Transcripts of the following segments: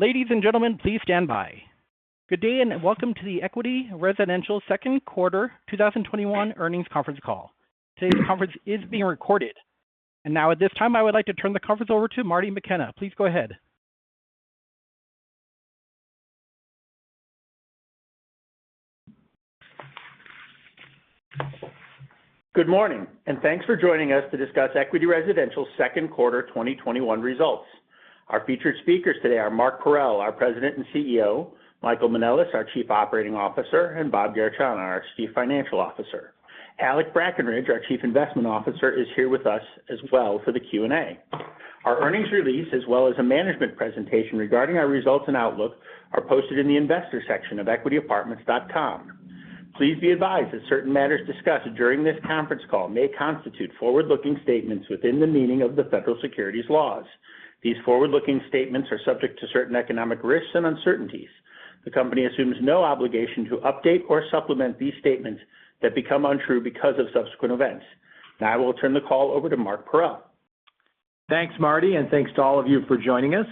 Good day, and welcome to the Equity Residential second quarter 2021 earnings conference call. Today's conference is being recorded. Now at this time, I would like to turn the conference over to Marty McKenna. Please go ahead. Good morning, thanks for joining us to discuss Equity Residential second quarter 2021 results. Our featured speakers today are Mark Parrell, our President and CEO, Michael Manelis, our Chief Operating Officer, and Bob Garechana, our Chief Financial Officer. Alec Brackenridge, our Chief Investment Officer, is here with us as well for the Q&A. Our earnings release, as well as a management presentation regarding our results and outlook, are posted in the investor section of equityapartments.com. Please be advised that certain matters discussed during this conference call may constitute forward-looking statements within the meaning of the federal securities laws. These forward-looking statements are subject to certain economic risks and uncertainties. The company assumes no obligation to update or supplement these statements that become untrue because of subsequent events. I will turn the call over to Mark Parrell. Thanks, Marty, and thanks to all of you for joining us.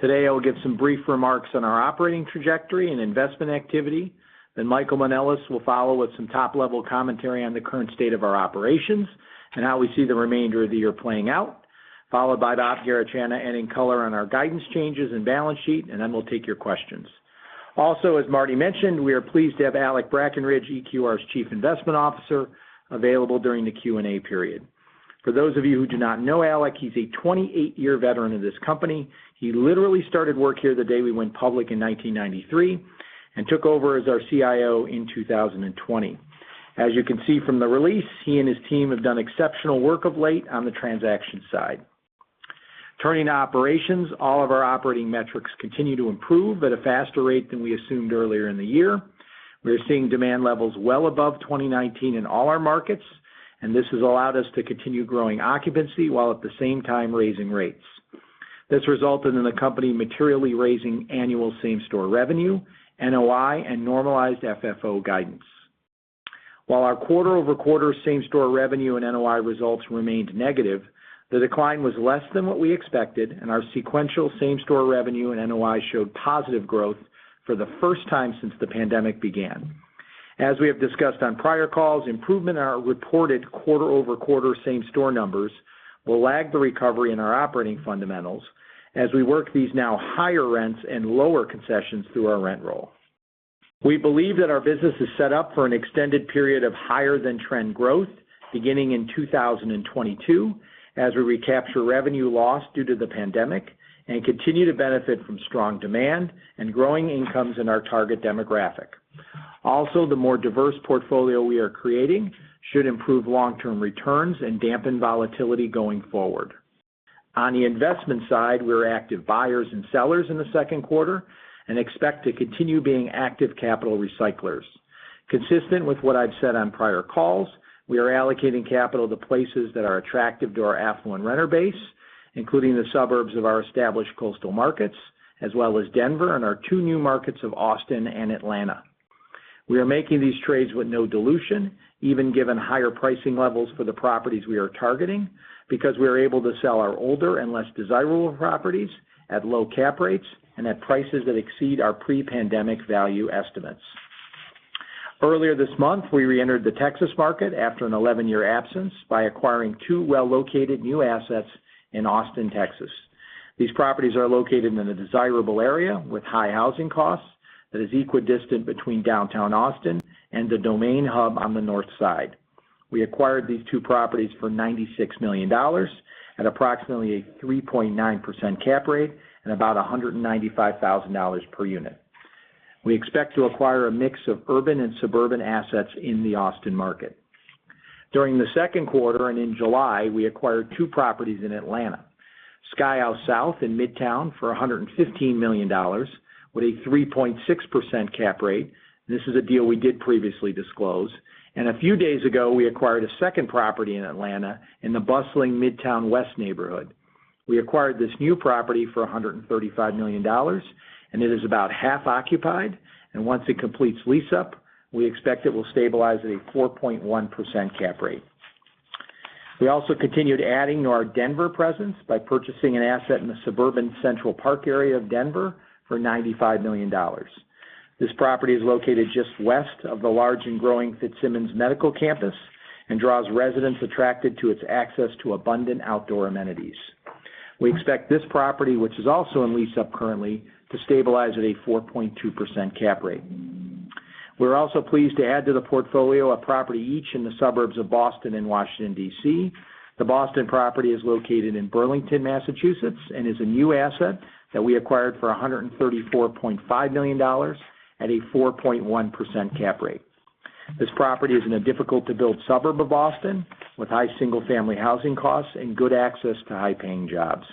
Today, I will give some brief remarks on our operating trajectory and investment activity. Michael Manelis will follow with some top-level commentary on the current state of our operations and how we see the remainder of the year playing out, followed by Bob Garechana adding color on our guidance changes and balance sheet, and then we'll take your questions. Also, as Marty mentioned, we are pleased to have Alec Brackenridge, EQR's Chief Investment Officer, available during the Q&A period. For those of you who do not know Alec, he's a 28-year veteran of this company. He literally started work here the day we went public in 1993 and took over as our CIO in 2020. As you can see from the release, he and his team have done exceptional work of late on the transaction side. Turning to operations, all of our operating metrics continue to improve at a faster rate than we assumed earlier in the year. We are seeing demand levels well above 2019 in all our markets, this has allowed us to continue growing occupancy while at the same time raising rates. This resulted in the company materially raising annual same-store revenue, NOI, and normalized FFO guidance. While our quarter-over-quarter same-store revenue and NOI results remained negative, the decline was less than what we expected, our sequential same-store revenue and NOI showed positive growth for the first time since the pandemic began. As we have discussed on prior calls, improvement in our reported quarter-over-quarter same-store numbers will lag the recovery in our operating fundamentals as we work these now higher rents and lower concessions through our rent roll. We believe that our business is set up for an extended period of higher than trend growth beginning in 2022 as we recapture revenue lost due to the pandemic and continue to benefit from strong demand and growing incomes in our target demographic. The more diverse portfolio we are creating should improve long-term returns and dampen volatility going forward. On the investment side, we were active buyers and sellers in the second quarter and expect to continue being active capital recyclers. Consistent with what I've said on prior calls, we are allocating capital to places that are attractive to our affluent renter base, including the suburbs of our established coastal markets, as well as Denver and our two new markets of Austin and Atlanta. We are making these trades with no dilution, even given higher pricing levels for the properties we are targeting, because we are able to sell our older and less desirable properties at low cap rates and at prices that exceed our pre-pandemic value estimates. Earlier this month, we reentered the Texas market after an 11-year absence by acquiring two well-located new assets in Austin, Texas. These properties are located in a desirable area with high housing costs that is equidistant between downtown Austin and The Domain hub on the north side. We acquired these two properties for $96 million at approximately a 3.9% cap rate and about $195,000 per unit. We expect to acquire a mix of urban and suburban assets in the Austin market. During the second quarter and in July, we acquired two properties in Atlanta, Skyhouse South in Midtown for $115 million with a 3.6% cap rate. This is a deal we did previously disclose. A few days ago, we acquired a second property in Atlanta in the bustling Midtown West neighborhood. We acquired this new property for $135 million, and it is about half occupied, and once it completes lease-up, we expect it will stabilize at a 4.1% cap rate. We also continued adding to our Denver presence by purchasing an asset in the suburban Central Park area of Denver for $95 million. This property is located just west of the large and growing Fitzsimons medical campus and draws residents attracted to its access to abundant outdoor amenities. We expect this property, which is also in lease-up currently, to stabilize at a 4.2% cap rate. We're also pleased to add to the portfolio a property each in the suburbs of Boston and Washington, D.C. The Boston property is located in Burlington, Massachusetts, and is a new asset that we acquired for $134.5 million at a 4.1% cap rate. This property is in a difficult-to-build suburb of Boston with high single-family housing costs and good access to high-paying jobs.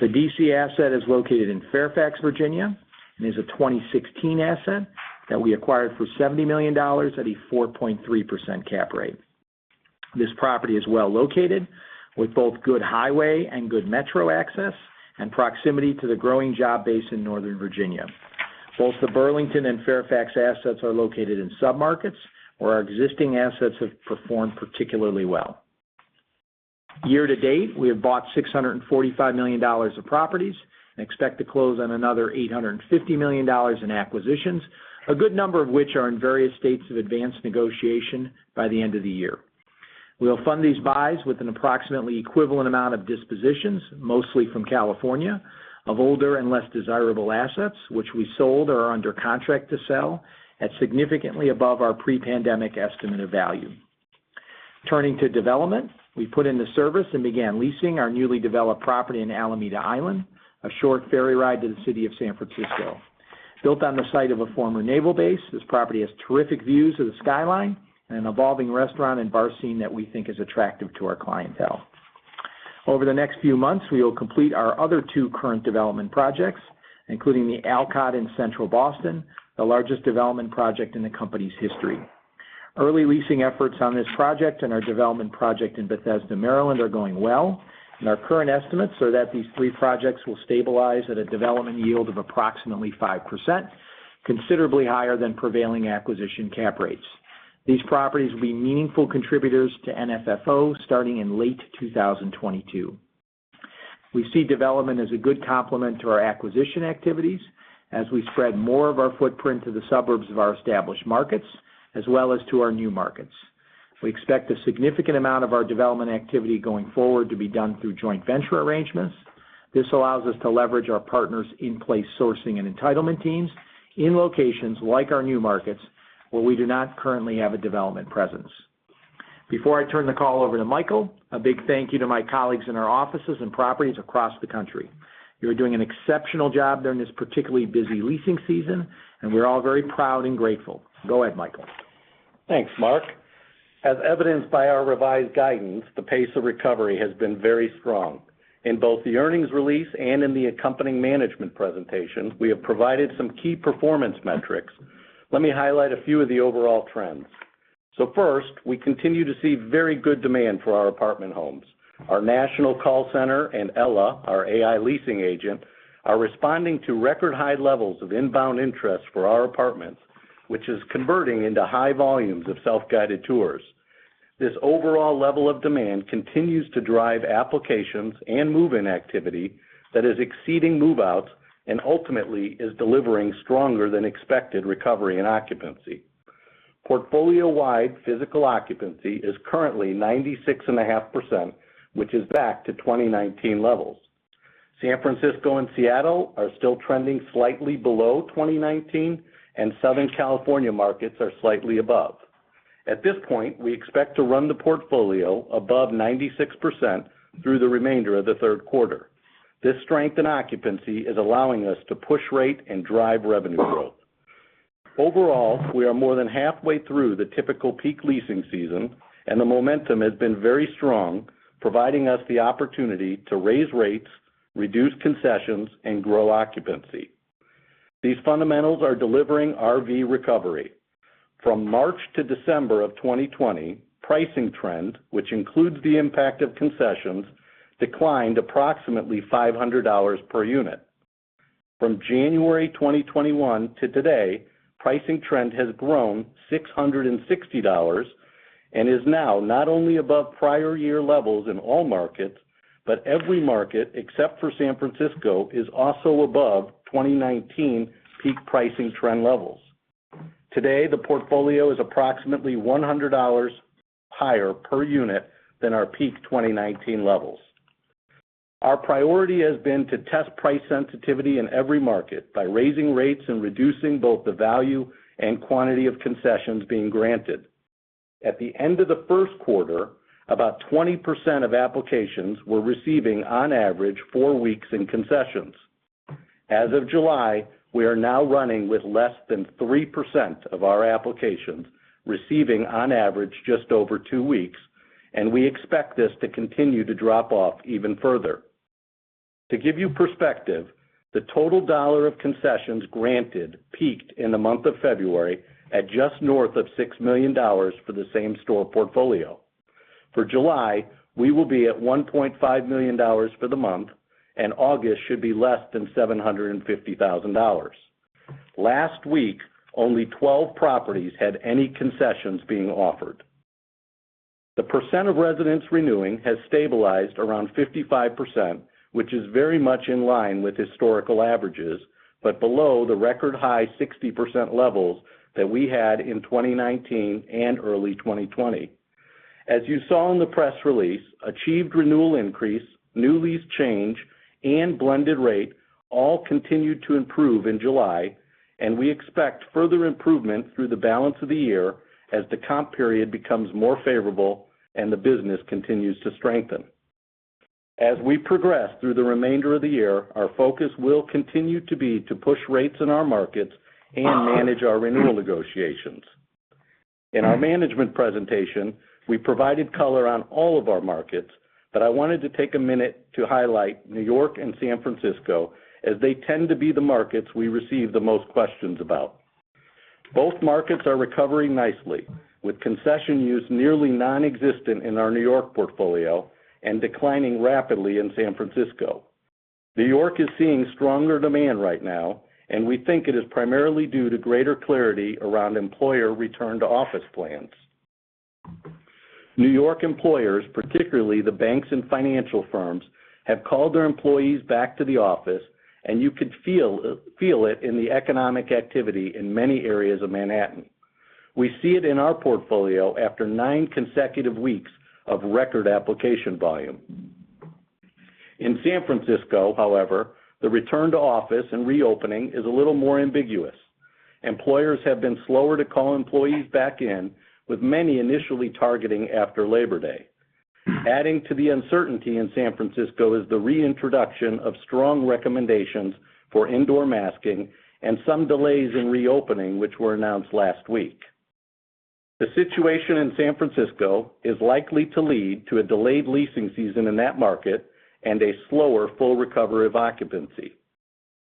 The D.C. asset is located in Fairfax, Virginia, and is a 2016 asset that we acquired for $70 million at a 4.3% cap rate. This property is well located with both good highway and good Metro access and proximity to the growing job base in Northern Virginia. Both the Burlington and Fairfax assets are located in submarkets where our existing assets have performed particularly well. Year-to-date, we have bought $645 million of properties and expect to close on another $850 million in acquisitions, a good number of which are in various states of advanced negotiation by the end of the year. We'll fund these buys with an approximately equivalent amount of dispositions, mostly from California, of older and less desirable assets, which we sold or are under contract to sell at significantly above our pre-pandemic estimate of value. Turning to development, we put into service and began leasing our newly developed property in Alameda Island, a short ferry ride to the city of San Francisco. Built on the site of a former naval base, this property has terrific views of the skyline and an evolving restaurant and bar scene that we think is attractive to our clientele. Over the next few months, we will complete our other two current development projects, including The Alcott in central Boston, the largest development project in the company's history. Early leasing efforts on this project and our development project in Bethesda, Maryland are going well, and our current estimates are that these three projects will stabilize at a development yield of approximately 5%, considerably higher than prevailing acquisition cap rates. These properties will be meaningful contributors to NFFO starting in late 2022. We see development as a good complement to our acquisition activities as we spread more of our footprint to the suburbs of our established markets, as well as to our new markets. We expect a significant amount of our development activity going forward to be done through joint venture arrangements. This allows us to leverage our partners in place sourcing and entitlement teams in locations like our new markets, where we do not currently have a development presence. Before I turn the call over to Michael, a big thank you to my colleagues in our offices and properties across the country. You are doing an exceptional job during this particularly busy leasing season, and we are all very proud and grateful. Go ahead, Michael. Thanks, Mark. As evidenced by our revised guidance, the pace of recovery has been very strong. In both the earnings release and in the accompanying management presentation, we have provided some key performance metrics. Let me highlight a few of the overall trends. First, we continue to see very good demand for our apartment homes. Our national call center and Ella, our AI leasing agent, are responding to record high levels of inbound interest for our apartments, which is converting into high volumes of self-guided tours. This overall level of demand continues to drive applications and move-in activity that is exceeding move-outs and ultimately is delivering stronger than expected recovery and occupancy. Portfolio-wide physical occupancy is currently 96.5%, which is back to 2019 levels. San Francisco and Seattle are still trending slightly below 2019, and Southern California markets are slightly above. At this point, we expect to run the portfolio above 96% through the remainder of the third quarter. This strength in occupancy is allowing us to push rate and drive revenue growth. Overall, we are more than halfway through the typical peak leasing season, and the momentum has been very strong, providing us the opportunity to raise rates, reduce concessions, and grow occupancy. These fundamentals are delivering RV recovery. From March to December of 2020, pricing trend, which includes the impact of concessions, declined approximately $500 per unit. From January 2021 to today, pricing trend has grown $660 and is now not only above prior year levels in all markets, but every market except for San Francisco is also above 2019 peak pricing trend levels. Today, the portfolio is approximately $100 higher per unit than our peak 2019 levels. Our priority has been to test price sensitivity in every market by raising rates and reducing both the value and quantity of concessions being granted. At the end of the first quarter, about 20% of applications were receiving on average four weeks in concessions. As of July, we are now running with less than 3% of our applications receiving on average just over two weeks, and we expect this to continue to drop off even further. To give you perspective, the total dollar of concessions granted peaked in the month of February at just north of $6 million for the same-store portfolio. For July, we will be at $1.5 million for the month, and August should be less than $750,000. Last week, only 12 properties had any concessions being offered. The percent of residents renewing has stabilized around 55%, which is very much in line with historical averages, but below the record high 60% levels that we had in 2019 and early 2020. As you saw in the press release, achieved renewal increase, new lease change, and blended rate all continued to improve in July, and we expect further improvement through the balance of the year as the comp period becomes more favorable and the business continues to strengthen. As we progress through the remainder of the year, our focus will continue to be to push rates in our markets and manage our renewal negotiations. In our management presentation, we provided color on all of our markets, but I wanted to take a minute to highlight New York and San Francisco as they tend to be the markets we receive the most questions about. Both markets are recovering nicely, with concession use nearly nonexistent in our New York portfolio and declining rapidly in San Francisco. New York is seeing stronger demand right now, and we think it is primarily due to greater clarity around employer return to office plans. New York employers, particularly the banks and financial firms, have called their employees back to the office, and you can feel it in the economic activity in many areas of Manhattan. We see it in our portfolio after nine consecutive weeks of record application volume. In San Francisco, however, the return to office and reopening is a little more ambiguous. Employers have been slower to call employees back in, with many initially targeting after Labor Day. Adding to the uncertainty in San Francisco is the reintroduction of strong recommendations for indoor masking and some delays in reopening, which were announced last week. The situation in San Francisco is likely to lead to a delayed leasing season in that market and a slower full recovery of occupancy.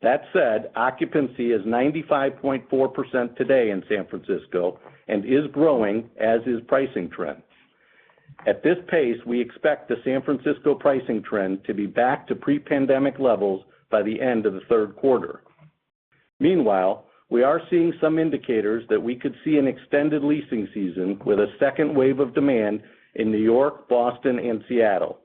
That said, occupancy is 95.4% today in San Francisco and is growing, as is pricing trends. At this pace, we expect the San Francisco pricing trend to be back to pre-pandemic levels by the end of the third quarter. Meanwhile, we are seeing some indicators that we could see an extended leasing season with a second wave of demand in New York, Boston, and Seattle.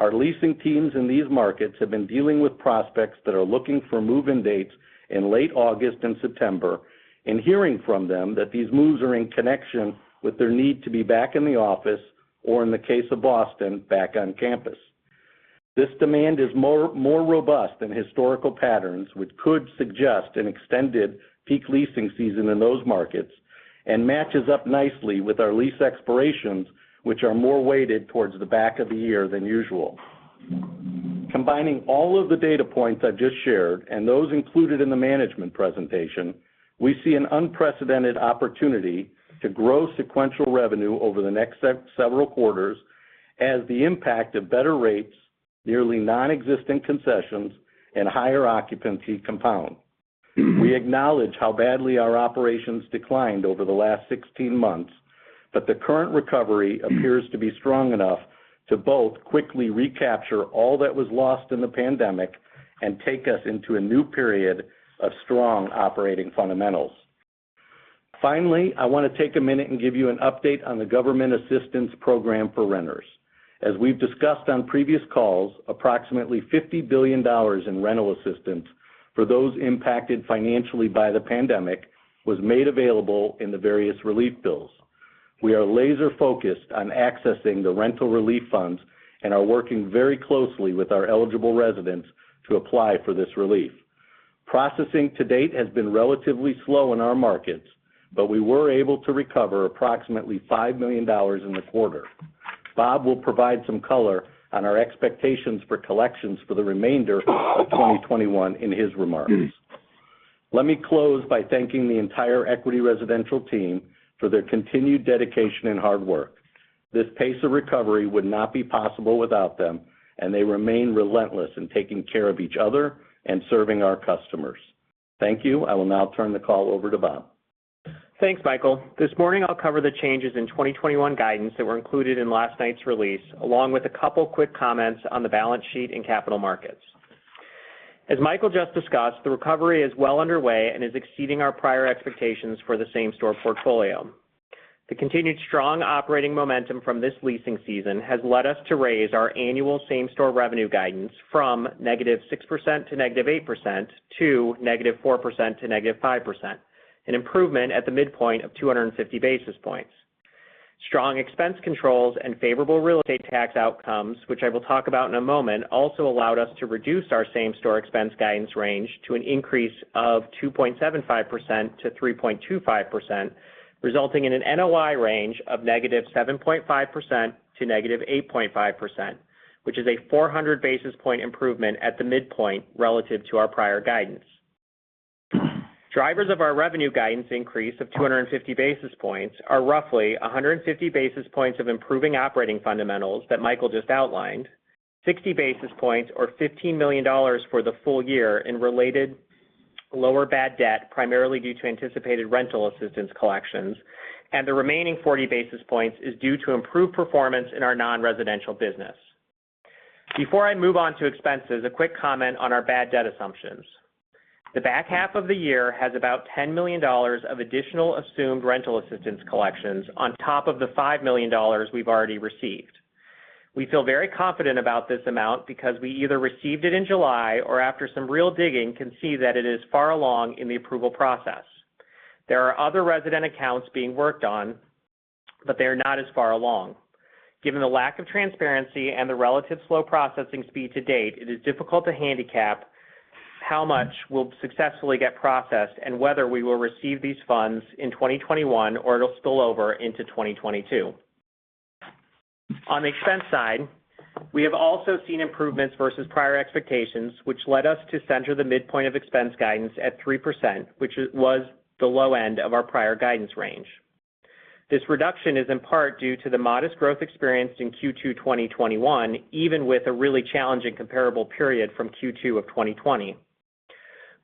Our leasing teams in these markets have been dealing with prospects that are looking for move-in dates in late August and September and hearing from them that these moves are in connection with their need to be back in the office or, in the case of Boston, back on campus. This demand is more robust than historical patterns, which could suggest an extended peak leasing season in those markets and matches up nicely with our lease expirations, which are more weighted towards the back of the year than usual. Combining all of the data points I just shared and those included in the management presentation, we see an unprecedented opportunity to grow sequential revenue over the next several quarters as the impact of better rates, nearly non-existent concessions, and higher occupancy compound. We acknowledge how badly our operations declined over the last 16 months, but the current recovery appears to be strong enough to both quickly recapture all that was lost in the pandemic and take us into a new period of strong operating fundamentals. Finally, I want to take a minute and give you an update on the government assistance program for renters. As we've discussed on previous calls, approximately $50 billion in rental assistance for those impacted financially by the pandemic was made available in the various relief bills. We are laser focused on accessing the rental relief funds and are working very closely with our eligible residents to apply for this relief. Processing to date has been relatively slow in our markets, but we were able to recover approximately $5 million in the quarter. Bob will provide some color on our expectations for collections for the remainder of 2021 in his remarks. Let me close by thanking the entire Equity Residential team for their continued dedication and hard work. This pace of recovery would not be possible without them, and they remain relentless in taking care of each other and serving our customers. Thank you. I will now turn the call over to Bob. Thanks, Michael. This morning I'll cover the changes in 2021 guidance that were included in last night's release, along with a couple of quick comments on the balance sheet and capital markets. As Michael just discussed, the recovery is well underway and is exceeding our prior expectations for the same-store portfolio. The continued strong operating momentum from this leasing season has led us to raise our annual same-store revenue guidance from -6% to -8%, to -4% to -5%, an improvement at the midpoint of 250 basis points. Strong expense controls and favorable real estate tax outcomes, which I will talk about in a moment, also allowed us to reduce our same-store expense guidance range to an increase of 2.75%-3.25%, resulting in an NOI range of -7.5% to -8.5%, which is a 400 basis point improvement at the midpoint relative to our prior guidance. Drivers of our revenue guidance increase of 250 basis points are roughly 150 basis points of improving operating fundamentals that Michael just outlined, 60 basis points or $15 million for the full year in related lower bad debt, primarily due to anticipated rental assistance collections, and the remaining 40 basis points is due to improved performance in our non-residential business. Before I move on to expenses, a quick comment on our bad debt assumptions. The back half of the year has about $10 million of additional assumed rental assistance collections on top of the $5 million we've already received. We feel very confident about this amount because we either received it in July or after some real digging, can see that it is far along in the approval process. There are other resident accounts being worked on, but they are not as far along. Given the lack of transparency and the relative slow processing speed to date, it is difficult to handicap how much will successfully get processed and whether we will receive these funds in 2021 or it'll spill over into 2022. On the expense side, we have also seen improvements versus prior expectations, which led us to center the midpoint of expense guidance at 3%, which was the low end of our prior guidance range. This reduction is in part due to the modest growth experienced in Q2 2021, even with a really challenging comparable period from Q2 of 2020.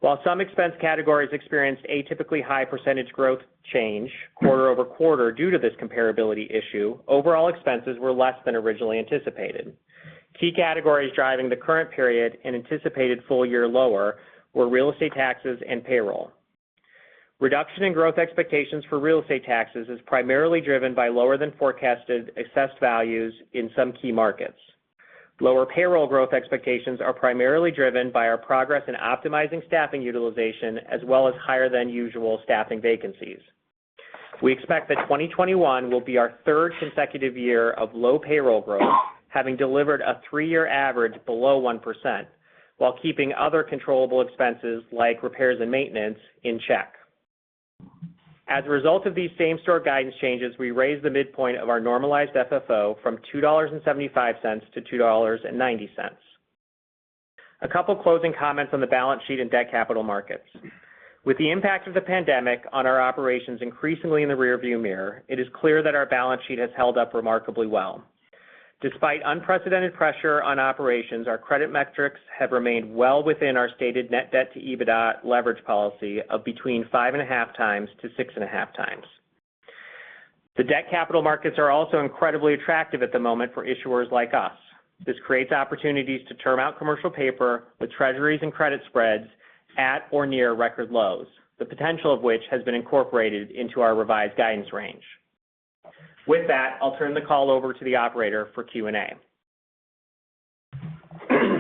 While some expense categories experienced atypically high percentage growth change quarter-over-quarter due to this comparability issue, overall expenses were less than originally anticipated. Key categories driving the current period and anticipated full year lower were real estate taxes and payroll. Reduction in growth expectations for real estate taxes is primarily driven by lower than forecasted assessed values in some key markets. Lower payroll growth expectations are primarily driven by our progress in optimizing staffing utilization, as well as higher than usual staffing vacancies. We expect that 2021 will be our third consecutive year of low payroll growth, having delivered a three-year average below 1%, while keeping other controllable expenses like repairs and maintenance in check. As a result of these same-store guidance changes, we raised the midpoint of our normalized FFO from $2.75 to $2.90. A couple closing comments on the balance sheet and debt capital markets. With the impact of the pandemic on our operations increasingly in the rear-view mirror, it is clear that our balance sheet has held up remarkably well. Despite unprecedented pressure on operations, our credit metrics have remained well within our stated net debt to EBITDA leverage policy of between 5.5x-6.5x. The debt capital markets are also incredibly attractive at the moment for issuers like us. This creates opportunities to term out commercial paper with treasuries and credit spreads at or near record lows, the potential of which has been incorporated into our revised guidance range. With that, I'll turn the call over to the operator for Q&A.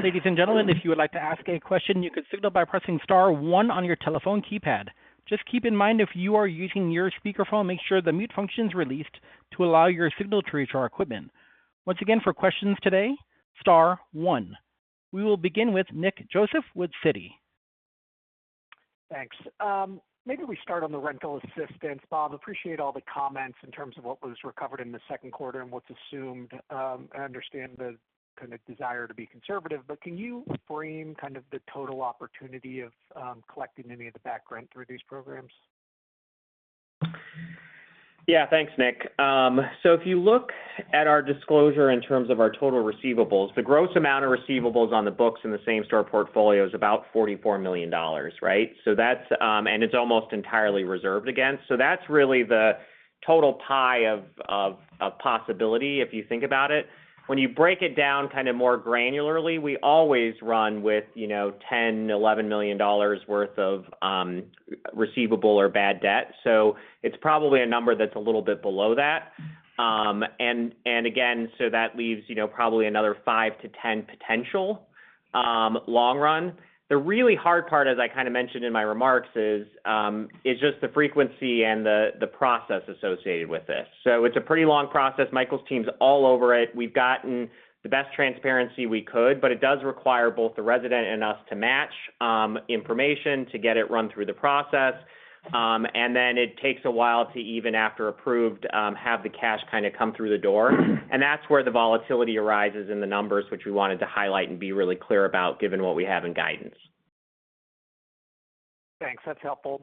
Ladies and gentlemen, if you would like to ask a question, you can signal by pressing star one on your telephone keypad. Just keep in mind if you are using your speakerphone, make sure the mute function's released to allow your signal to reach our equipment. Once again, for questions today, star one. We will begin with Nick Joseph with Citi. Thanks. Maybe we start on the rental assistance, Bob. Appreciate all the comments in terms of what was recovered in the second quarter and what's assumed. I understand the kind of desire to be conservative, but can you frame kind of the total opportunity of collecting any of the back rent through these programs? Yeah, thanks, Nick. If you look at our disclosure in terms of our total receivables, the gross amount of receivables on the books in the same-store portfolio is about $44 million. Right? It's almost entirely reserved against. That's really the total pie of possibility if you think about it. When you break it down kind of more granularly, we always run with $10 million, $11 million worth of receivable or bad debt. It's probably a number that's a little bit below that. Again, that leaves probably another five to 10 potential, long run. The really hard part, as I kind of mentioned in my remarks, is just the frequency and the process associated with this. It's a pretty long process. Michael's team's all over it. We've gotten the best transparency we could, but it does require both the resident and us to match information to get it run through the process. It takes a while to, even after approved, have the cash kind of come through the door. That's where the volatility arises in the numbers, which we wanted to highlight and be really clear about given what we have in guidance. Thanks. That's helpful.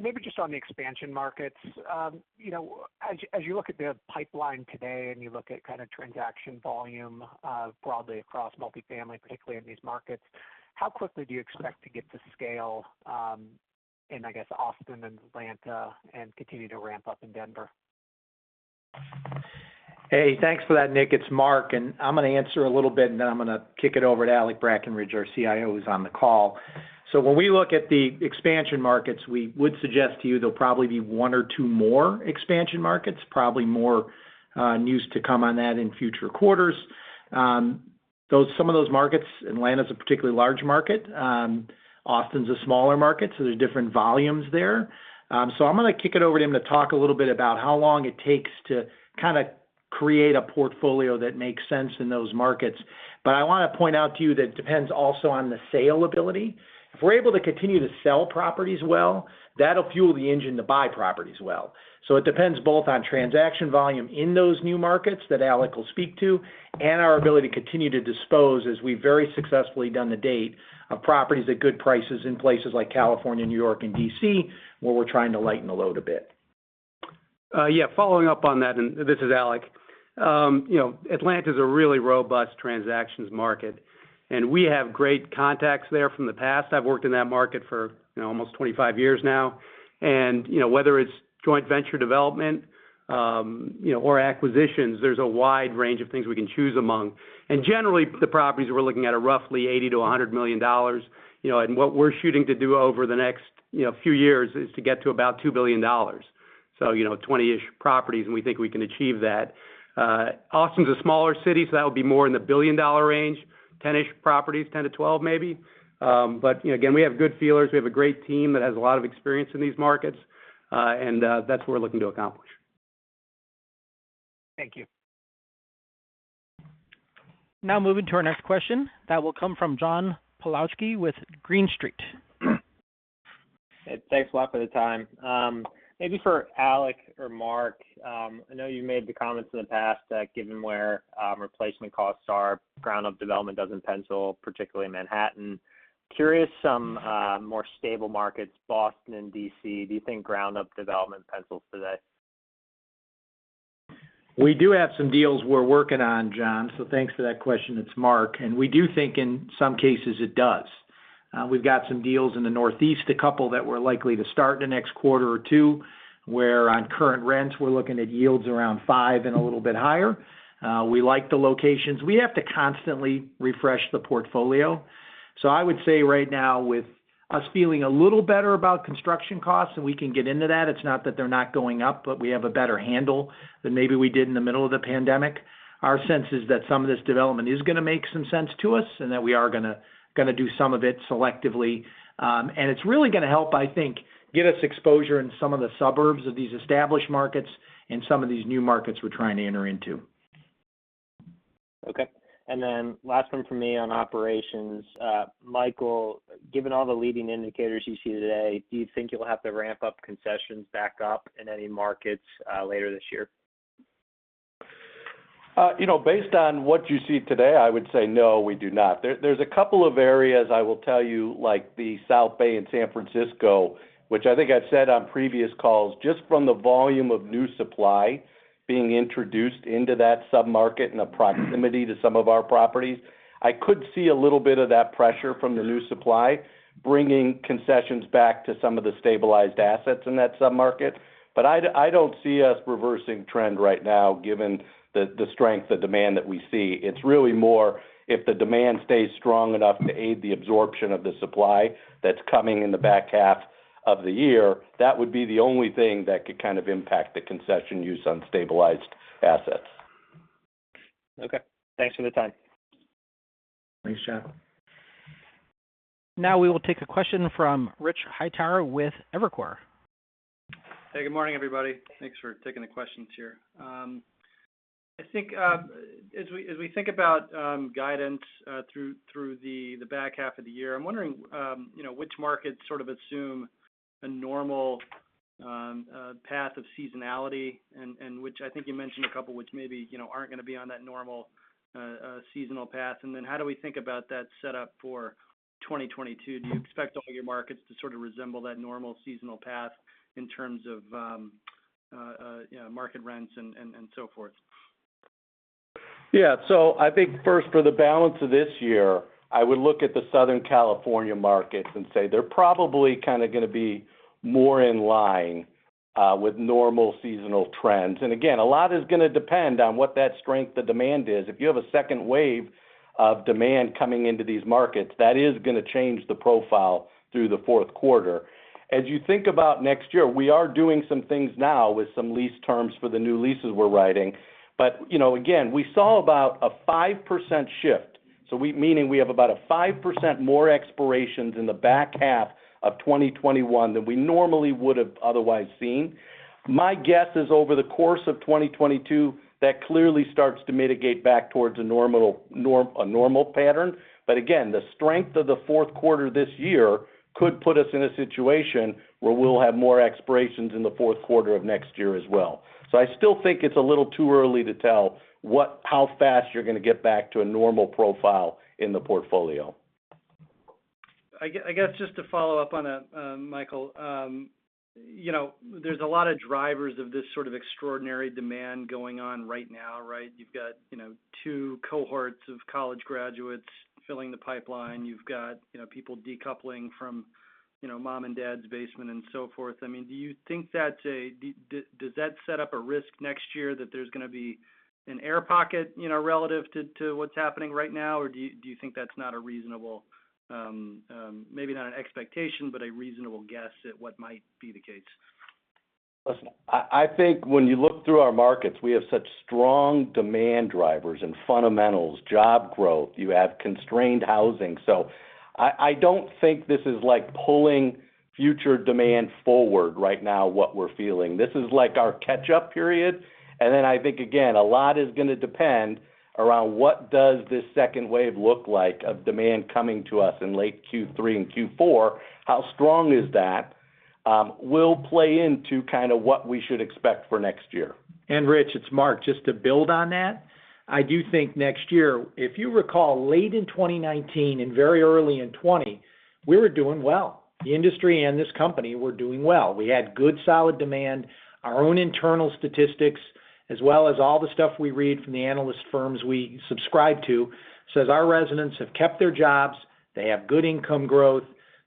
Maybe just on the expansion markets. As you look at the pipeline today and you look at kind of transaction volume broadly across multifamily, particularly in these markets, how quickly do you expect to get to scale in, I guess, Austin and Atlanta, and continue to ramp up in Denver? Hey, thanks for that, Nick. It's Mark, and I'm going to answer a little bit and then I'm going to kick it over to Alec Brackenridge, our CIO, who's on the call. When we look at the expansion markets, we would suggest to you there'll probably be one or two more expansion markets, probably more news to come on that in future quarters. Some of those markets, Atlanta's a particularly large market. Austin's a smaller market, so there's different volumes there. I'm going to kick it over to him to talk a little bit about how long it takes to kind of create a portfolio that makes sense in those markets. I want to point out to you that it depends also on the sale ability. If we're able to continue to sell properties well, that'll fuel the engine to buy properties well. It depends both on transaction volume in those new markets that Alec will speak to, and our ability to continue to dispose as we've very successfully done to date of properties at good prices in places like California, New York, and D.C., where we're trying to lighten the load a bit. Yeah. Following up on that, this is Alec. Atlanta's a really robust transactions market. We have great contacts there from the past. I've worked in that market for almost 25 years now. Whether it's Joint Venture development or acquisitions, there's a wide range of things we can choose among. Generally, the properties we're looking at are roughly $80 million-$100 million. What we're shooting to do over the next few years is to get to about $2 billion. 20-ish properties. We think we can achieve that. Austin's a smaller city. That would be more in the billion-dollar range, 10-ish properties, 10 to 12 maybe. Again, we have good feelers. We have a great team that has a lot of experience in these markets. That's what we're looking to accomplish. Thank you. Now moving to our next question, that will come from John Pawlowski with Green Street. Hey, thanks a lot for the time. Maybe for Alec or Mark. I know you made the comments in the past that given where replacement costs are, ground-up development doesn't pencil, particularly in Manhattan. Curious, some more stable markets, Boston and D.C., do you think ground-up development pencils today? We do have some deals we're working on, John, so thanks for that question. It's Mark. We do think in some cases it does. We've got some deals in the Northeast, a couple that we're likely to start in the next one or two quarters, where on current rents, we're looking at yields around 5% and a little bit higher. We like the locations. We have to constantly refresh the portfolio. I would say right now, with us feeling a little better about construction costs, and we can get into that, it's not that they're not going up, but we have a better handle than maybe we did in the middle of the pandemic. Our sense is that some of this development is going to make some sense to us, and that we are going to do some of it selectively. It's really going to help, I think, get us exposure in some of the suburbs of these established markets and some of these new markets we're trying to enter into. Okay. Last one from me on operations. Michael, given all the leading indicators you see today, do you think you'll have to ramp up concessions back up in any markets later this year? Based on what you see today, I would say no, we do not. There's a couple of areas I will tell you, like the South Bay in San Francisco, which I think I've said on previous calls, just from the volume of new supply being introduced into that sub-market in the proximity to some of our properties, I could see a little bit of that pressure from the new supply bringing concessions back to some of the stabilized assets in that sub-market. I don't see us reversing trend right now given the strength of demand that we see. It's really more if the demand stays strong enough to aid the absorption of the supply that's coming in the back half of the year. That would be the only thing that could kind of impact the concession use on stabilized assets. Okay. Thanks for the time. Thanks, John. Now we will take a question from Rich Hightower with Evercore. Hey, good morning, everybody. Thanks for taking the questions here. As we think about guidance through the back half of the year, I'm wondering which markets sort of assume a normal path of seasonality, and which I think you mentioned a couple of which maybe aren't going to be on that normal seasonal path. How do we think about that setup for 2022? Do you expect all your markets to sort of resemble that normal seasonal path in terms of market rents and so forth? I think first for the balance of this year, I would look at the Southern California markets and say they're probably kind of going to be more in line with normal seasonal trends. Again, a lot is going to depend on what that strength of demand is. If you have a second wave of demand coming into these markets, that is going to change the profile through the fourth quarter. As you think about next year, we are doing some things now with some lease terms for the new leases we're writing. Again, we saw about a 5% shift, meaning we have about a 5% more expirations in the back half of 2021 than we normally would have otherwise seen. My guess is over the course of 2022, that clearly starts to mitigate back towards a normal pattern. Again, the strength of the fourth quarter this year could put us in a situation where we'll have more expirations in the fourth quarter of next year as well. I still think it's a little too early to tell how fast you're going to get back to a normal profile in the portfolio. I guess just to follow up on that, Michael. There's a lot of drivers of this sort of extraordinary demand going on right now, right? You've got two cohorts of college graduates filling the pipeline. You've got people decoupling from mom and dad's basement and so forth. Does that set up a risk next year that there's going to be an air pocket relative to what's happening right now? Do you think that's not a reasonable, maybe not an expectation, but a reasonable guess at what might be the case? Listen, I think when you look through our markets, we have such strong demand drivers and fundamentals, job growth, you have constrained housing. I don't think this is pulling future demand forward right now what we're feeling. This is like our catch-up period. I think, again, a lot is going to depend around what does this second wave look like of demand coming to us in late Q3 and Q4, how strong is that, will play into what we should expect for next year. Rich, it's Mark. Just to build on that, I do think next year If you recall, late in 2019 and very early in 2020, we were doing well. The industry and this company were doing well. We had good, solid demand. Our own internal statistics, as well as all the stuff we read from the analyst firms we subscribe to, says our residents have kept their jobs, they have good income growth.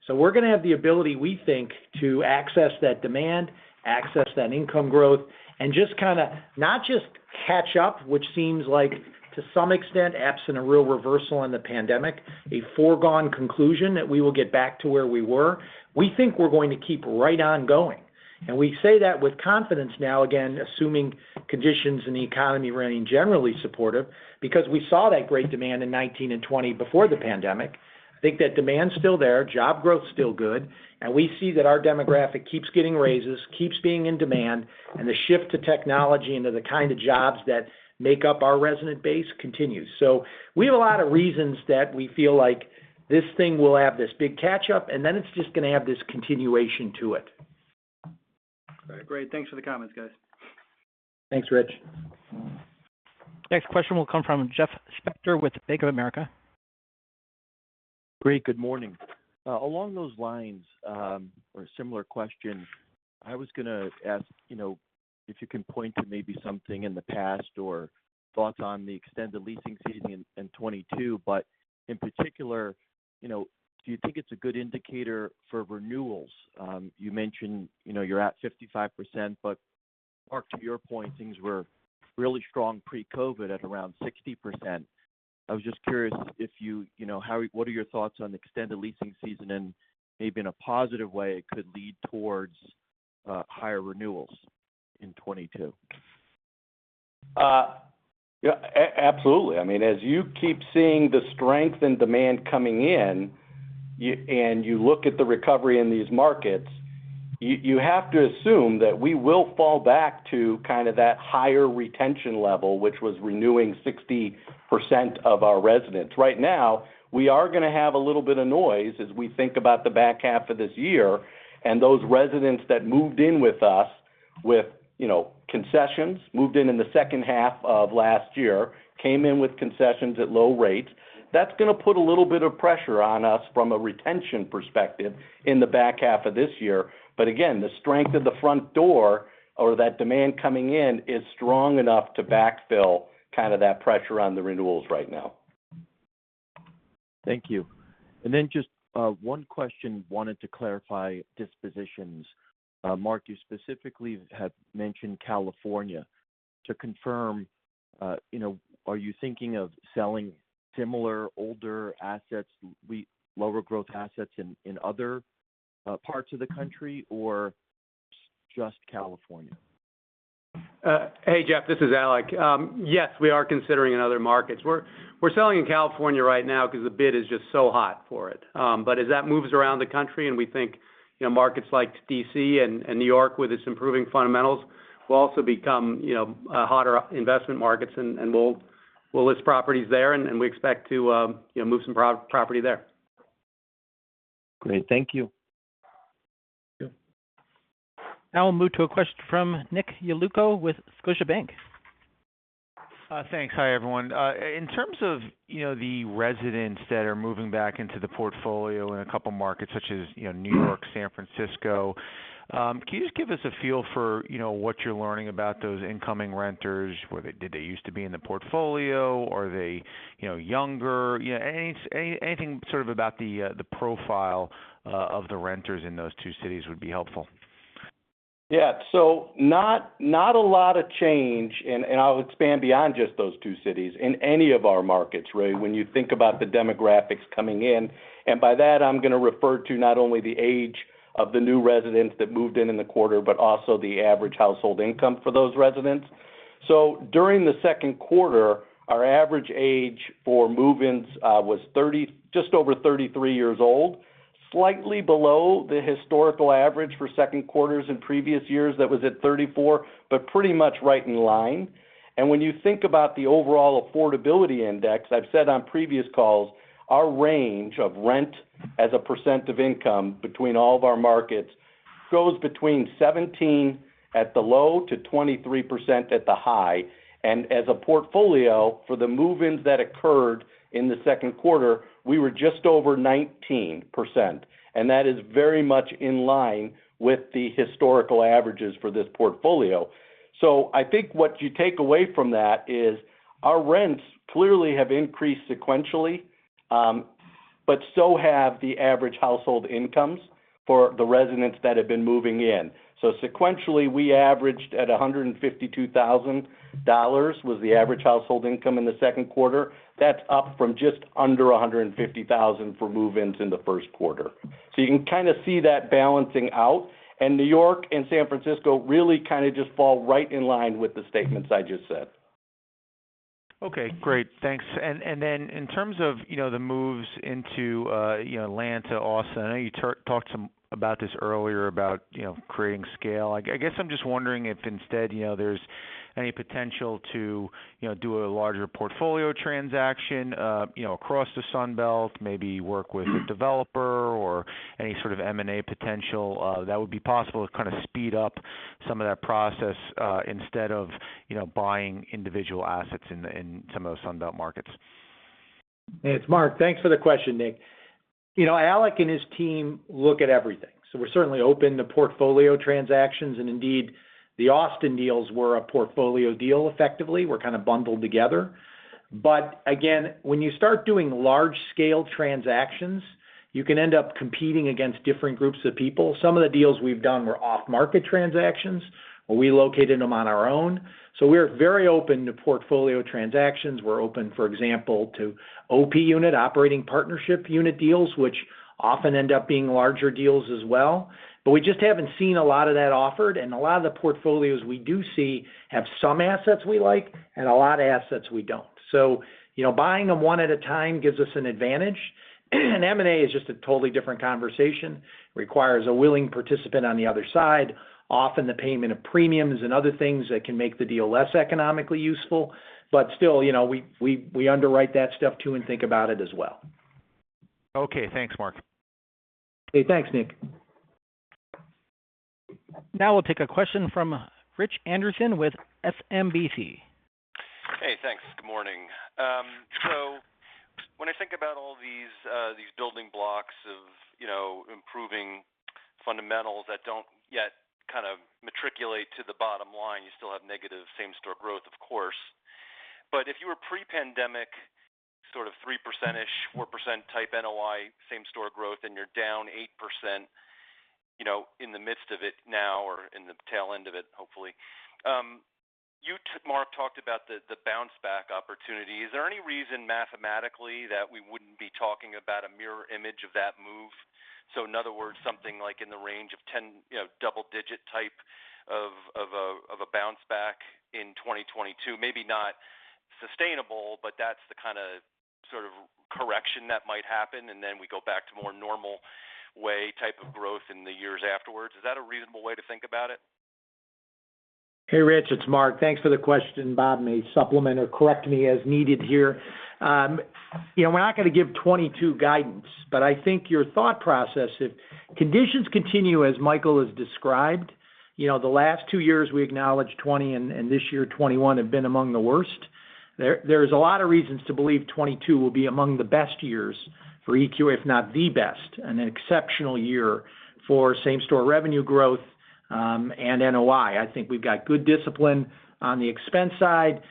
We're going to have the ability, we think, to access that demand, access that income growth, and just kind of not just catch up, which seems like to some extent, absent a real reversal in the pandemic, a foregone conclusion that we will get back to where we were. We think we're going to keep right on going. We say that with confidence now, again, assuming conditions in the economy running generally supportive, because we saw that great demand in 2019 and 2020 before the pandemic. I think that demand's still there, job growth's still good, and we see that our demographic keeps getting raises, keeps being in demand, and the shift to technology into the kind of jobs that make up our resident base continues. We have a lot of reasons that we feel like this thing will have this big catch up, and then it's just going to have this continuation to it. All right. Great. Thanks for the comments, guys. Thanks, Rich. Next question will come from Jeff Spector with Bank of America. Great. Good morning. Along those lines, or a similar question, I was going to ask if you can point to maybe something in the past or thoughts on the extended leasing season in 2022, but in particular, do you think it's a good indicator for renewals? You mentioned you're at 55%, but Mark, to your point, things were really strong pre-COVID at around 60%. I was just curious, what are your thoughts on the extended leasing season and maybe in a positive way it could lead towards higher renewals in 2022? Yeah. Absolutely. As you keep seeing the strength in demand coming in, and you look at the recovery in these markets, you have to assume that we will fall back to that higher retention level, which was renewing 60% of our residents. Right now, we are going to have a little bit of noise as we think about the back half of this year, and those residents that moved in with us with concessions, moved in in the second half of last year, came in with concessions at low rates. That's going to put a little bit of pressure on us from a retention perspective in the back half of this year. The strength of the front door or that demand coming in is strong enough to backfill that pressure on the renewals right now. Thank you. Just one question, wanted to clarify dispositions. Mark, you specifically had mentioned California. To confirm, are you thinking of selling similar older assets, lower growth assets in other parts of the country, or just California? Hey, Jeff, this is Alec. Yes, we are considering in other markets. We're selling in California right now because the bid is just so hot for it. As that moves around the country and we think markets like D.C. and New York with its improving fundamentals will also become hotter investment markets, and we'll list properties there, and we expect to move some property there. Great. Thank you. Yeah. Now we'll move to a question from Nick Yulico with Scotiabank. Thanks. Hi, everyone. In terms of the residents that are moving back into the portfolio in a couple markets such as New York, San Francisco, can you just give us a feel for what you're learning about those incoming renters? Did they used to be in the portfolio? Are they younger? Anything about the profile of the renters in those two cities would be helpful. Yeah. Not a lot of change, and I'll expand beyond just those two cities. In any of our markets, really, when you think about the demographics coming in, and by that, I'm going to refer to not only the age of the new residents that moved in in the quarter, but also the average household income for those residents. During the second quarter, our average age for move-ins was just over 33 years old, slightly below the historical average for second quarters in previous years that was at 34, but pretty much right in line. When you think about the overall affordability index, I've said on previous calls, our range of rent as a percent of income between all of our markets goes between 17% at the low to 23% at the high. As a portfolio for the move-ins that occurred in the second quarter, we were just over 19%, and that is very much in line with the historical averages for this portfolio. I think what you take away from that is our rents clearly have increased sequentially, but so have the average household incomes for the residents that have been moving in. Sequentially, we averaged at $152,000 was the average household income in the second quarter. That's up from just under $150,000 for move-ins in the first quarter. You can kind of see that balancing out, and New York and San Francisco really kind of just fall right in line with the statements I just said. Okay, great. Thanks. In terms of the moves into Atlanta, Austin, I know you talked about this earlier, about creating scale. I guess I'm just wondering if instead there's any potential to do a larger portfolio transaction across the Sun Belt, maybe work with a developer or any sort of M&A potential that would be possible to kind of speed up some of that process instead of buying individual assets in some of those Sun Belt markets. It's Mark. Thanks for the question, Nick. Alec and his team look at everything. We're certainly open to portfolio transactions, and indeed, the Austin deals were a portfolio deal, effectively, were kind of bundled together. Again, when you start doing large-scale transactions, you can end up competing against different groups of people. Some of the deals we've done were off-market transactions, where we located them on our own. We're very open to portfolio transactions. We're open, for example, to OP Unit, Operating Partnership Unit deals, which often end up being larger deals as well. We just haven't seen a lot of that offered, and a lot of the portfolios we do see have some assets we like and a lot of assets we don't. Buying them one at a time gives us an advantage. M&A is just a totally different conversation. Requires a willing participant on the other side, often the payment of premiums and other things that can make the deal less economically useful. Still, we underwrite that stuff too and think about it as well. Okay. Thanks, Mark. Okay. Thanks, Nick. Now we'll take a question from Rich Anderson with SMBC. Hey, thanks. Good morning. When I think about all these building blocks of improving fundamentals that don't yet matriculate to the bottom line, you still have negative same-store growth, of course. If you were pre-pandemic sort of 3%, 4% type NOI, same-store growth, and you're down 8% in the midst of it now or in the tail end of it, hopefully. You, Mark, talked about the bounce back opportunity. Is there any reason mathematically that we wouldn't be talking about a mirror image of that move? In other words, something like in the range of 10 double digit type of a bounce back in 2022, maybe not sustainable, but that's the kind of sort of correction that might happen, and then we go back to more normal way type of growth in the years afterwards. Is that a reasonable way to think about it? Hey, Rich, it's Mark. Thanks for the question. Bob may supplement or correct me as needed here. We're not going to give 2022 guidance. I think your thought process, if conditions continue as Michael has described, the last two years we acknowledge 2020 and this year 2021 have been among the worst. There's a lot of reasons to believe 2022 will be among the best years for EQR, if not the best, and an exceptional year for same-store revenue growth, and NOI. I think we've got good discipline on the expense side.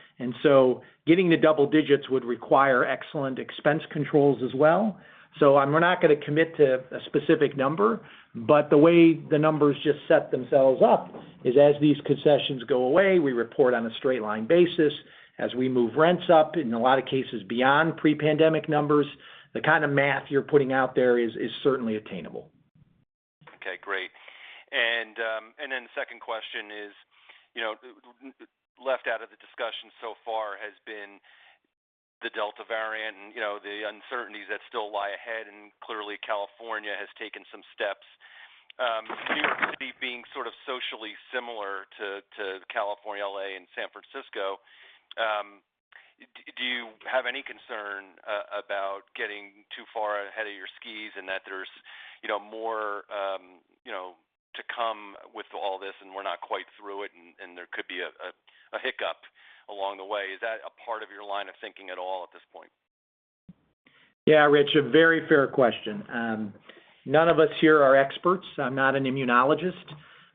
Getting to double digits would require excellent expense controls as well. We're not going to commit to a specific number. The way the numbers just set themselves up is as these concessions go away, we report on a straight line basis. As we move rents up in a lot of cases beyond pre-pandemic numbers, the kind of math you're putting out there is certainly attainable. Okay, great. The second question is, left out of the discussion so far has been the Delta variant and the uncertainties that still lie ahead, clearly California has taken some steps. New York City being sort of socially similar to California, L.A., and San Francisco, do you have any concern about getting too far ahead of your skis and that there's more to come with all this and we're not quite through it and there could be a hiccup along the way? Is that a part of your line of thinking at all at this point? Yeah, Rich, a very fair question. None of us here are experts. I'm not an immunologist,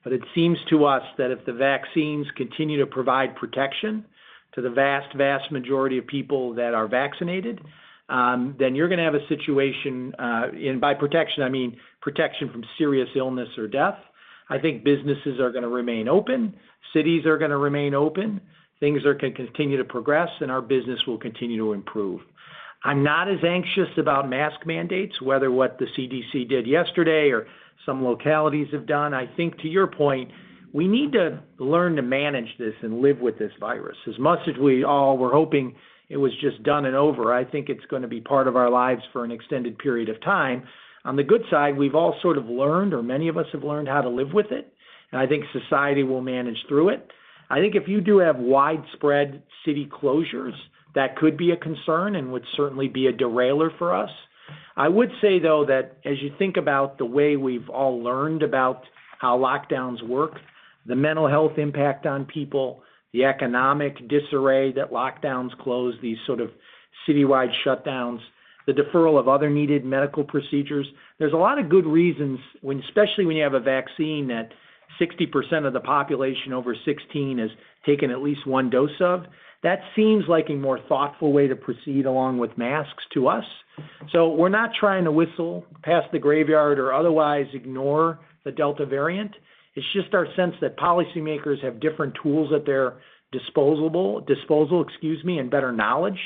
but it seems to us that if the vaccines continue to provide protection to the vast majority of people that are vaccinated, then you're going to have a situation, and by protection, I mean protection from serious illness or death. I think businesses are going to remain open, cities are going to remain open, things are going to continue to progress, and our business will continue to improve. I'm not as anxious about mask mandates, whether what the CDC did yesterday or some localities have done. I think to your point, we need to learn to manage this and live with this virus. As much as we all were hoping it was just done and over, I think it's going to be part of our lives for an extended period of time. On the good side, we've all sort of learned, or many of us have learned how to live with it, and I think society will manage through it. I think if you do have widespread city closures, that could be a concern and would certainly be a derailer for us. I would say, though, that as you think about the way we've all learned about how lockdowns work, the mental health impact on people, the economic disarray that lockdowns close, these sort of citywide shutdowns, the deferral of other needed medical procedures. There's a lot of good reasons, especially when you have a vaccine that 60% of the population over 16 has taken at least one dose of. That seems like a more thoughtful way to proceed along with masks to us. We're not trying to whistle past the graveyard or otherwise ignore the Delta variant. It's just our sense that policymakers have different tools at their disposal and better knowledge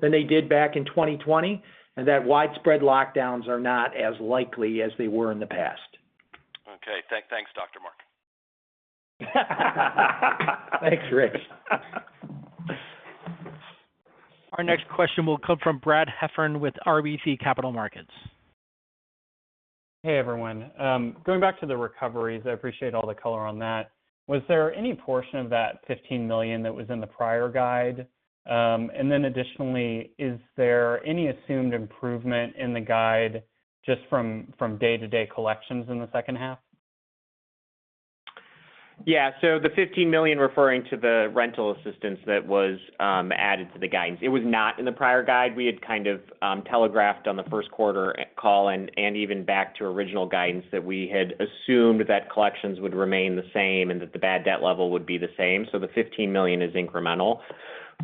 than they did back in 2020, and that widespread lockdowns are not as likely as they were in the past. Okay. Thanks, Mark. Thanks, Rich. Our next question will come from Brad Heffern with RBC Capital Markets. Hey, everyone. Going back to the recoveries, I appreciate all the color on that. Was there any portion of that $15 million that was in the prior guide? Additionally, is there any assumed improvement in the guide just from day-to-day collections in the second half? Yeah. The $15 million referring to the rental assistance that was added to the guidance. It was not in the prior guide. We had kind of telegraphed on the first quarter call and even back to original guidance that we had assumed that collections would remain the same and that the bad debt level would be the same. The $15 million is incremental.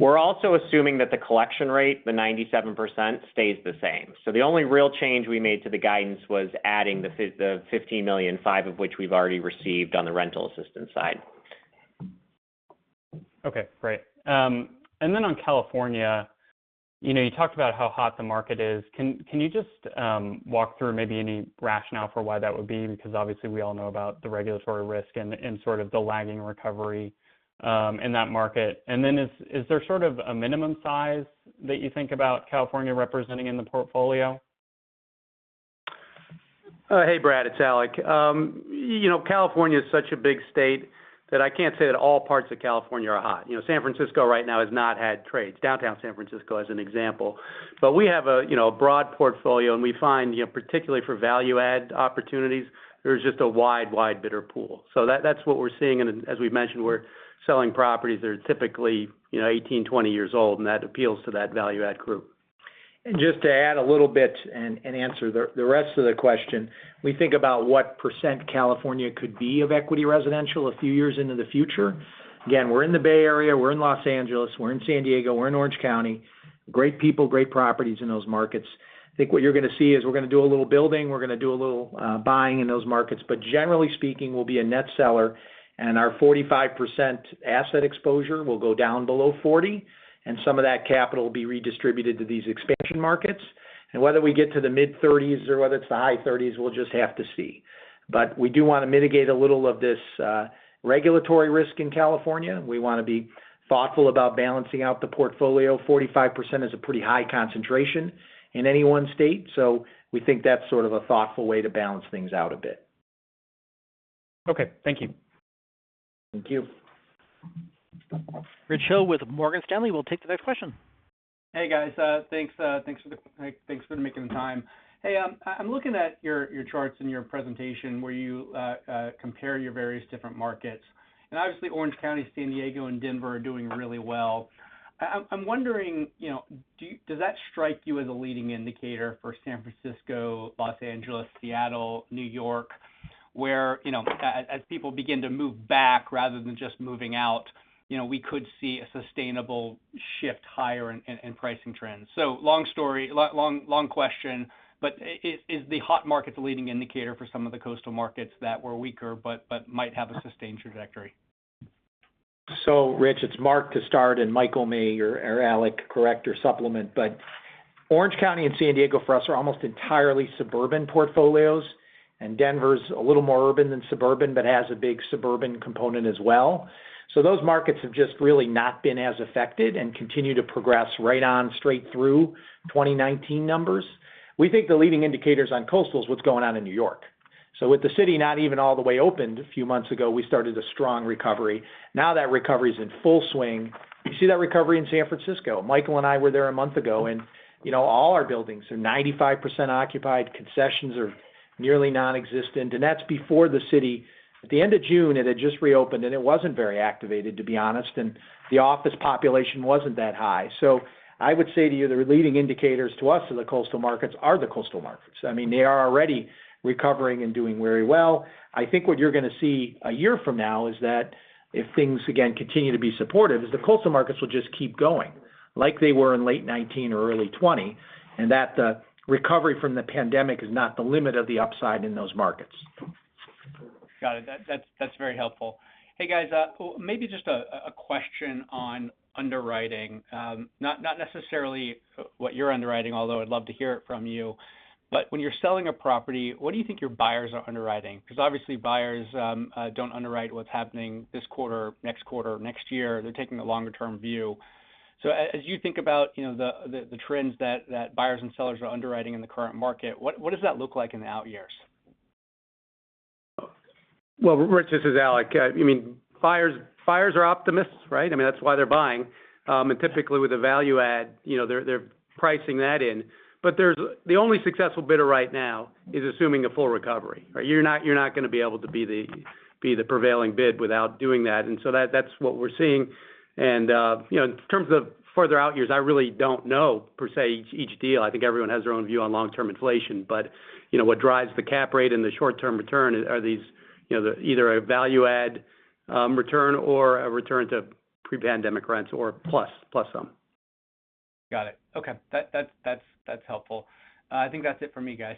We're also assuming that the collection rate, the 97%, stays the same. The only real change we made to the guidance was adding the $15 million, $5 million of which we've already received on the rental assistance side. Okay, great. On California, you talked about how hot the market is. Can you just walk through maybe any rationale for why that would be? Because obviously we all know about the regulatory risk and sort of the lagging recovery in that market. Is there sort of a minimum size that you think about California representing in the portfolio? Hey, Brad, it's Alec. California is such a big state that I can't say that all parts of California are hot. San Francisco right now has not had trades, downtown San Francisco as an example. We have a broad portfolio, and we find, particularly for value-add opportunities, there's just a wide bidder pool. That's what we're seeing, and as we've mentioned, we're selling properties that are typically 18, 20 years old, and that appeals to that value-add group. Just to add a little bit and answer the rest of the question, we think about what percent California could be of Equity Residential a few years into the future. We're in the Bay Area, we're in Los Angeles, we're in San Diego, we're in Orange County. Great people, great properties in those markets. I think what you're going to see is we're going to do a little building, we're going to do a little buying in those markets. Generally speaking, we'll be a net seller, and our 45% asset exposure will go down below 40%, and some of that capital will be redistributed to these expansion markets. Whether we get to the mid-30s or whether it's the high 30s, we'll just have to see. We do want to mitigate a little of this regulatory risk in California. We want to be thoughtful about balancing out the portfolio. 45% is a pretty high concentration in any one state. We think that's sort of a thoughtful way to balance things out a bit. Okay. Thank you. Thank you. Rich Hill with Morgan Stanley will take the next question. Hey, guys. Thanks for making the time. Hey, I'm looking at your charts in your presentation where you compare your various different markets. Obviously Orange County, San Diego, and Denver are doing really well. I'm wondering, does that strike you as a leading indicator for San Francisco, Los Angeles, Seattle, New York, where, as people begin to move back rather than just moving out, we could see a sustainable shift higher in pricing trends? Long story, long question, but is the hot market the leading indicator for some of the coastal markets that were weaker but might have a sustained trajectory? Rich, it's Mark to start, and Michael may or Alec correct or supplement. Orange County and San Diego for us are almost entirely suburban portfolios, and Denver's a little more urban than suburban but has a big suburban component as well. Those markets have just really not been as affected and continue to progress right on straight through 2019 numbers. We think the leading indicators on coastal is what's going on in New York. With the city not even all the way opened, a few months ago, we started a strong recovery. Now that recovery's in full swing. You see that recovery in San Francisco. Michael and I were there a month ago, and all our buildings are 95% occupied. Concessions are nearly nonexistent. That's before the city. At the end of June, it had just reopened, and it wasn't very activated, to be honest, and the office population wasn't that high. I would say to you, the leading indicators to us in the coastal markets are the coastal markets. They are already recovering and doing very well. I think what you're going to see a year from now is that if things again continue to be supportive, is the coastal markets will just keep going like they were in late 2019 or early 2020, and that the recovery from the pandemic is not the limit of the upside in those markets. Got it. That's very helpful. Hey, guys. Maybe just a question on underwriting. Not necessarily what you're underwriting, although I'd love to hear it from you. When you're selling a property, what do you think your buyers are underwriting? Obviously buyers don't underwrite what's happening this quarter, next quarter, next year. They're taking a longer-term view. As you think about the trends that buyers and sellers are underwriting in the current market, what does that look like in the out years? Well, Rich, this is Alec. Buyers are optimists, right? That's why they're buying. Typically with a value-add, they're pricing that in. The only successful bidder right now is assuming a full recovery. You're not going to be able to be the prevailing bid without doing that. That's what we're seeing. In terms of further out years, I really don't know, per se, each deal. I think everyone has their own view on long-term inflation. What drives the cap rate and the short-term return are these either a value-add return or a return to pre-pandemic rents or plus some. Got it. Okay. That's helpful. I think that's it for me, guys.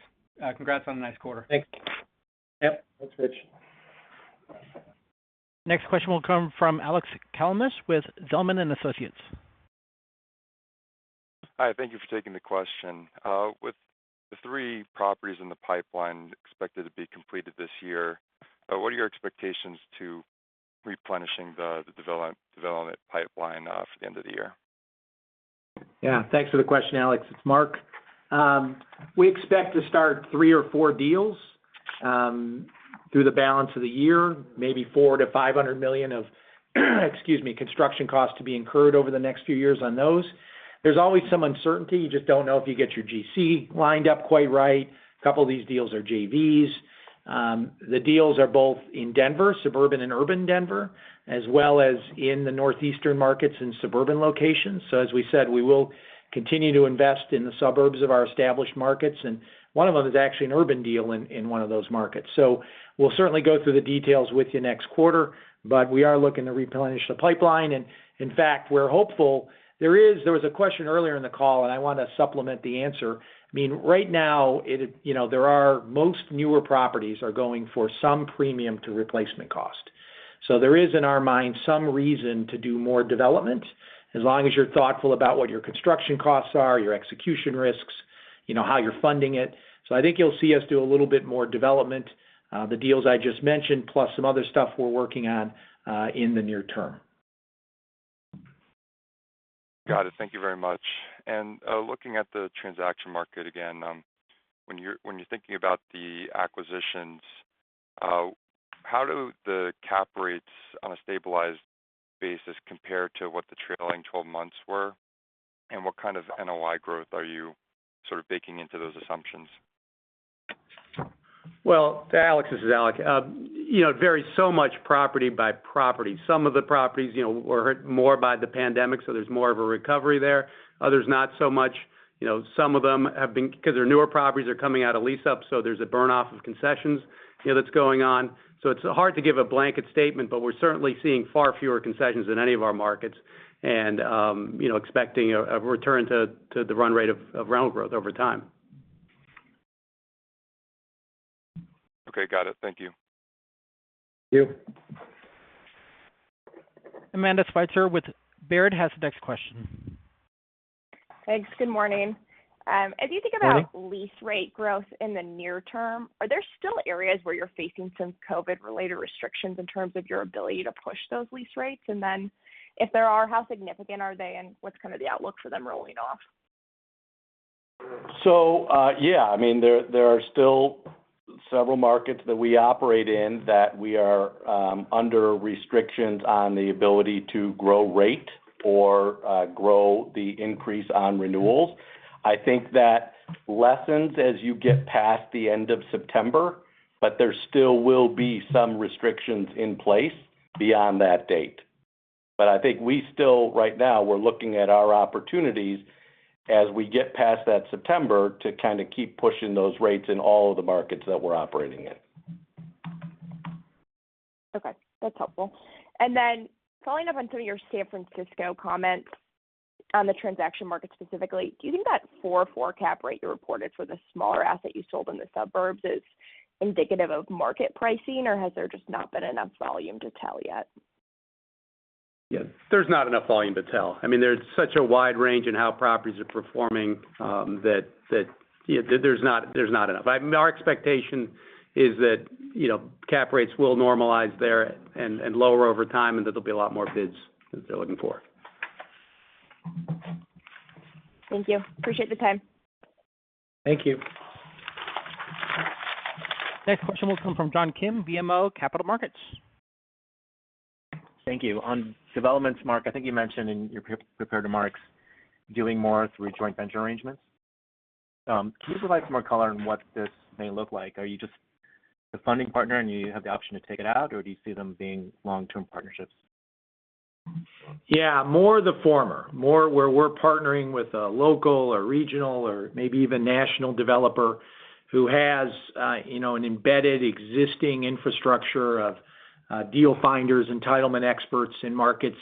Congrats on a nice quarter. Thanks. Yep. Thanks, Rich. Next question will come from Alex Kalmus with Zelman & Associates. Hi. Thank you for taking the question. With the three properties in the pipeline expected to be completed this year, what are your expectations to replenishing the development pipeline for the end of the year? Yeah. Thanks for the question, Alex. It's Mark. We expect to start three or four deals through the balance of the year, maybe $400 million-$500 million of, excuse me, construction costs to be incurred over the next few years on those. There's always some uncertainty. You just don't know if you get your GC lined up quite right. A couple of these deals are JVs. The deals are both in Denver, suburban and urban Denver, as well as in the northeastern markets in suburban locations. As we said, we will continue to invest in the suburbs of our established markets, and one of them is actually an urban deal in one of those markets. We'll certainly go through the details with you next quarter, but we are looking to replenish the pipeline. In fact, we're hopeful. There was a question earlier in the call, and I want to supplement the answer. Right now, most newer properties are going for some premium to replacement cost. There is, in our mind, some reason to do more development, as long as you're thoughtful about what your construction costs are, your execution risks, how you're funding it. I think you'll see us do a little bit more development. The deals I just mentioned, plus some other stuff we're working on in the near term. Got it. Thank you very much. Looking at the transaction market again, when you're thinking about the acquisitions, how do the cap rates on a stabilized basis compare to what the trailing 12 months were? What kind of NOI growth are you sort of baking into those assumptions? Well, Alex, this is Alec. It varies so much property by property. Some of the properties were hurt more by the pandemic, so there's more of a recovery there. Others, not so much. Some of them, because they're newer properties, they're coming out of lease-up, so there's a burn-off of concessions that's going on. It's hard to give a blanket statement, but we're certainly seeing far fewer concessions in any of our markets and expecting a return to the run rate of rental growth over time. Okay. Got it. Thank you. Thank you. Amanda Sweitzer with Baird has the next question. Thanks. Good morning. Good morning. As you think about lease rate growth in the near term, are there still areas where you're facing some COVID-related restrictions in terms of your ability to push those lease rates? If there are, how significant are they and what's kind of the outlook for them rolling off? Yeah. There are still several markets that we operate in that we are under restrictions on the ability to grow rate or grow the increase on renewals. I think that lessens as you get past the end of September, but there still will be some restrictions in place beyond that date. I think we still, right now, we're looking at our opportunities as we get past that September to kind of keep pushing those rates in all of the markets that we're operating in. Okay. That's helpful. Following up on some of your San Francisco comments on the transaction market specifically, do you think that 4.4 cap rate you reported for the smaller asset you sold in the suburbs is indicative of market pricing, or has there just not been enough volume to tell yet? Yeah. There's not enough volume to tell. There's such a wide range in how properties are performing that there's not enough. Our expectation is that cap rates will normalize there and lower over time, and that there'll be a lot more bids than they're looking for. Thank you. Appreciate the time. Thank you. Next question will come from John Kim, BMO Capital Markets. Thank you. On developments, Mark, I think you mentioned in your prepared remarks doing more through joint venture arrangements. Can you provide some more color on what this may look like? Are you just the funding partner and you have the option to take it out, or do you see them being long-term partnerships? Yeah, more of the former. More where we're partnering with a local or regional or maybe even national developer who has an embedded existing infrastructure of deal finders, entitlement experts in markets,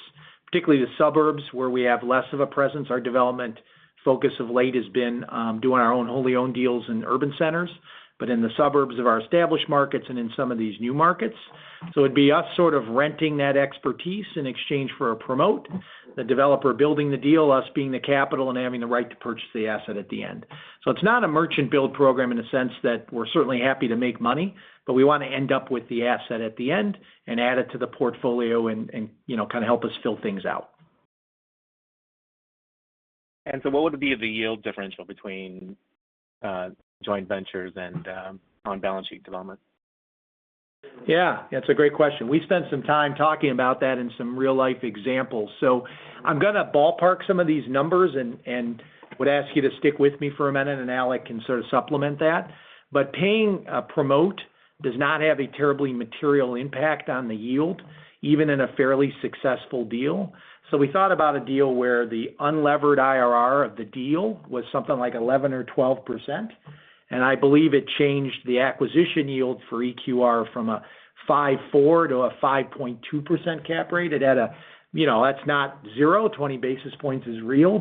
particularly the suburbs where we have less of a presence. Our development focus of late has been doing our own wholly owned deals in urban centers, but in the suburbs of our established markets and in some of these new markets. It'd be us sort of renting that expertise in exchange for a promote. The developer building the deal, us being the capital, and having the right to purchase the asset at the end. It's not a merchant build program in the sense that we're certainly happy to make money, but we want to end up with the asset at the end and add it to the portfolio and kind of help us fill things out. What would be the yield differential between joint ventures and on-balance-sheet development? Yeah. That's a great question. We spent some time talking about that in some real-life examples. I'm going to ballpark some of these numbers and would ask you to stick with me for one minute, and Alec can sort of supplement that. Paying a promote does not have a terribly material impact on the yield, even in a fairly successful deal. We thought about a deal where the unlevered IRR of the deal was something like 11% or 12%, and I believe it changed the acquisition yield for EQR from a 5.4% to a 5.2% cap rate. That's not zero. 20 basis points is real.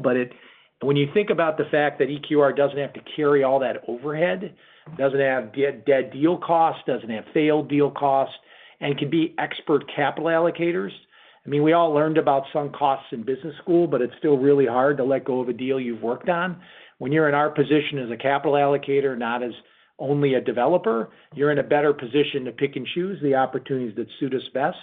When you think about the fact that EQR doesn't have to carry all that overhead, doesn't have dead deal costs, doesn't have failed deal costs, and can be expert capital allocators. We all learned about sunk costs in business school. It's still really hard to let go of a deal you've worked on. When you're in our position as a capital allocator, not as only a developer, you're in a better position to pick and choose the opportunities that suit us best.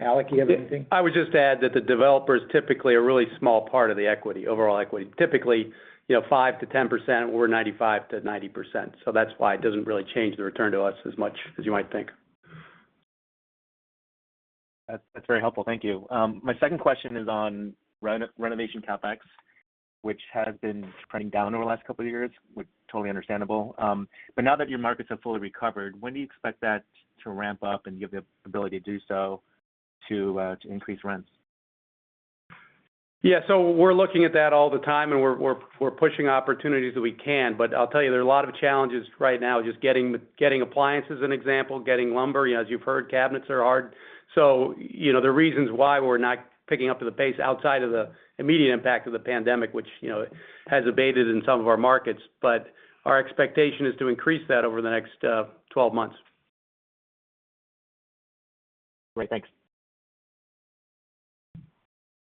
Alec, you have anything? I would just add that the developer's typically a really small part of the overall equity. Typically, 5%-10%, we're 95%-90%. That's why it doesn't really change the return to us as much as you might think. That's very helpful. Thank you. My second question is on renovation CapEx, which has been trending down over the last couple of years, which is totally understandable. Now that your markets have fully recovered, when do you expect that to ramp up and you have the ability to do so to increase rents? Yeah. We're looking at that all the time, and we're pushing opportunities that we can. I'll tell you, there are a lot of challenges right now just getting appliances, an example, getting lumber. As you've heard, cabinets are hard. The reasons why we're not picking up to the pace outside of the immediate impact of the pandemic, which has abated in some of our markets. Our expectation is to increase that over the next 12 months. Great. Thanks.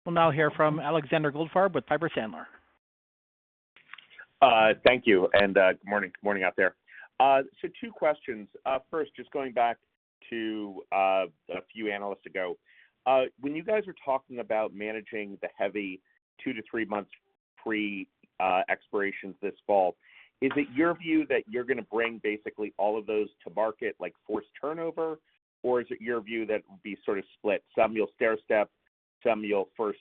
We'll now hear from Alexander Goldfarb with Piper Sandler. Thank you, and good morning out there. Two questions. First, just going back to a few analysts ago. When you guys were talking about managing the heavy two to three months free expirations this fall, is it your view that you're going to bring basically all of those to market, like forced turnover? Or is it your view that it would be sort of split, some you'll stairstep, some you'll force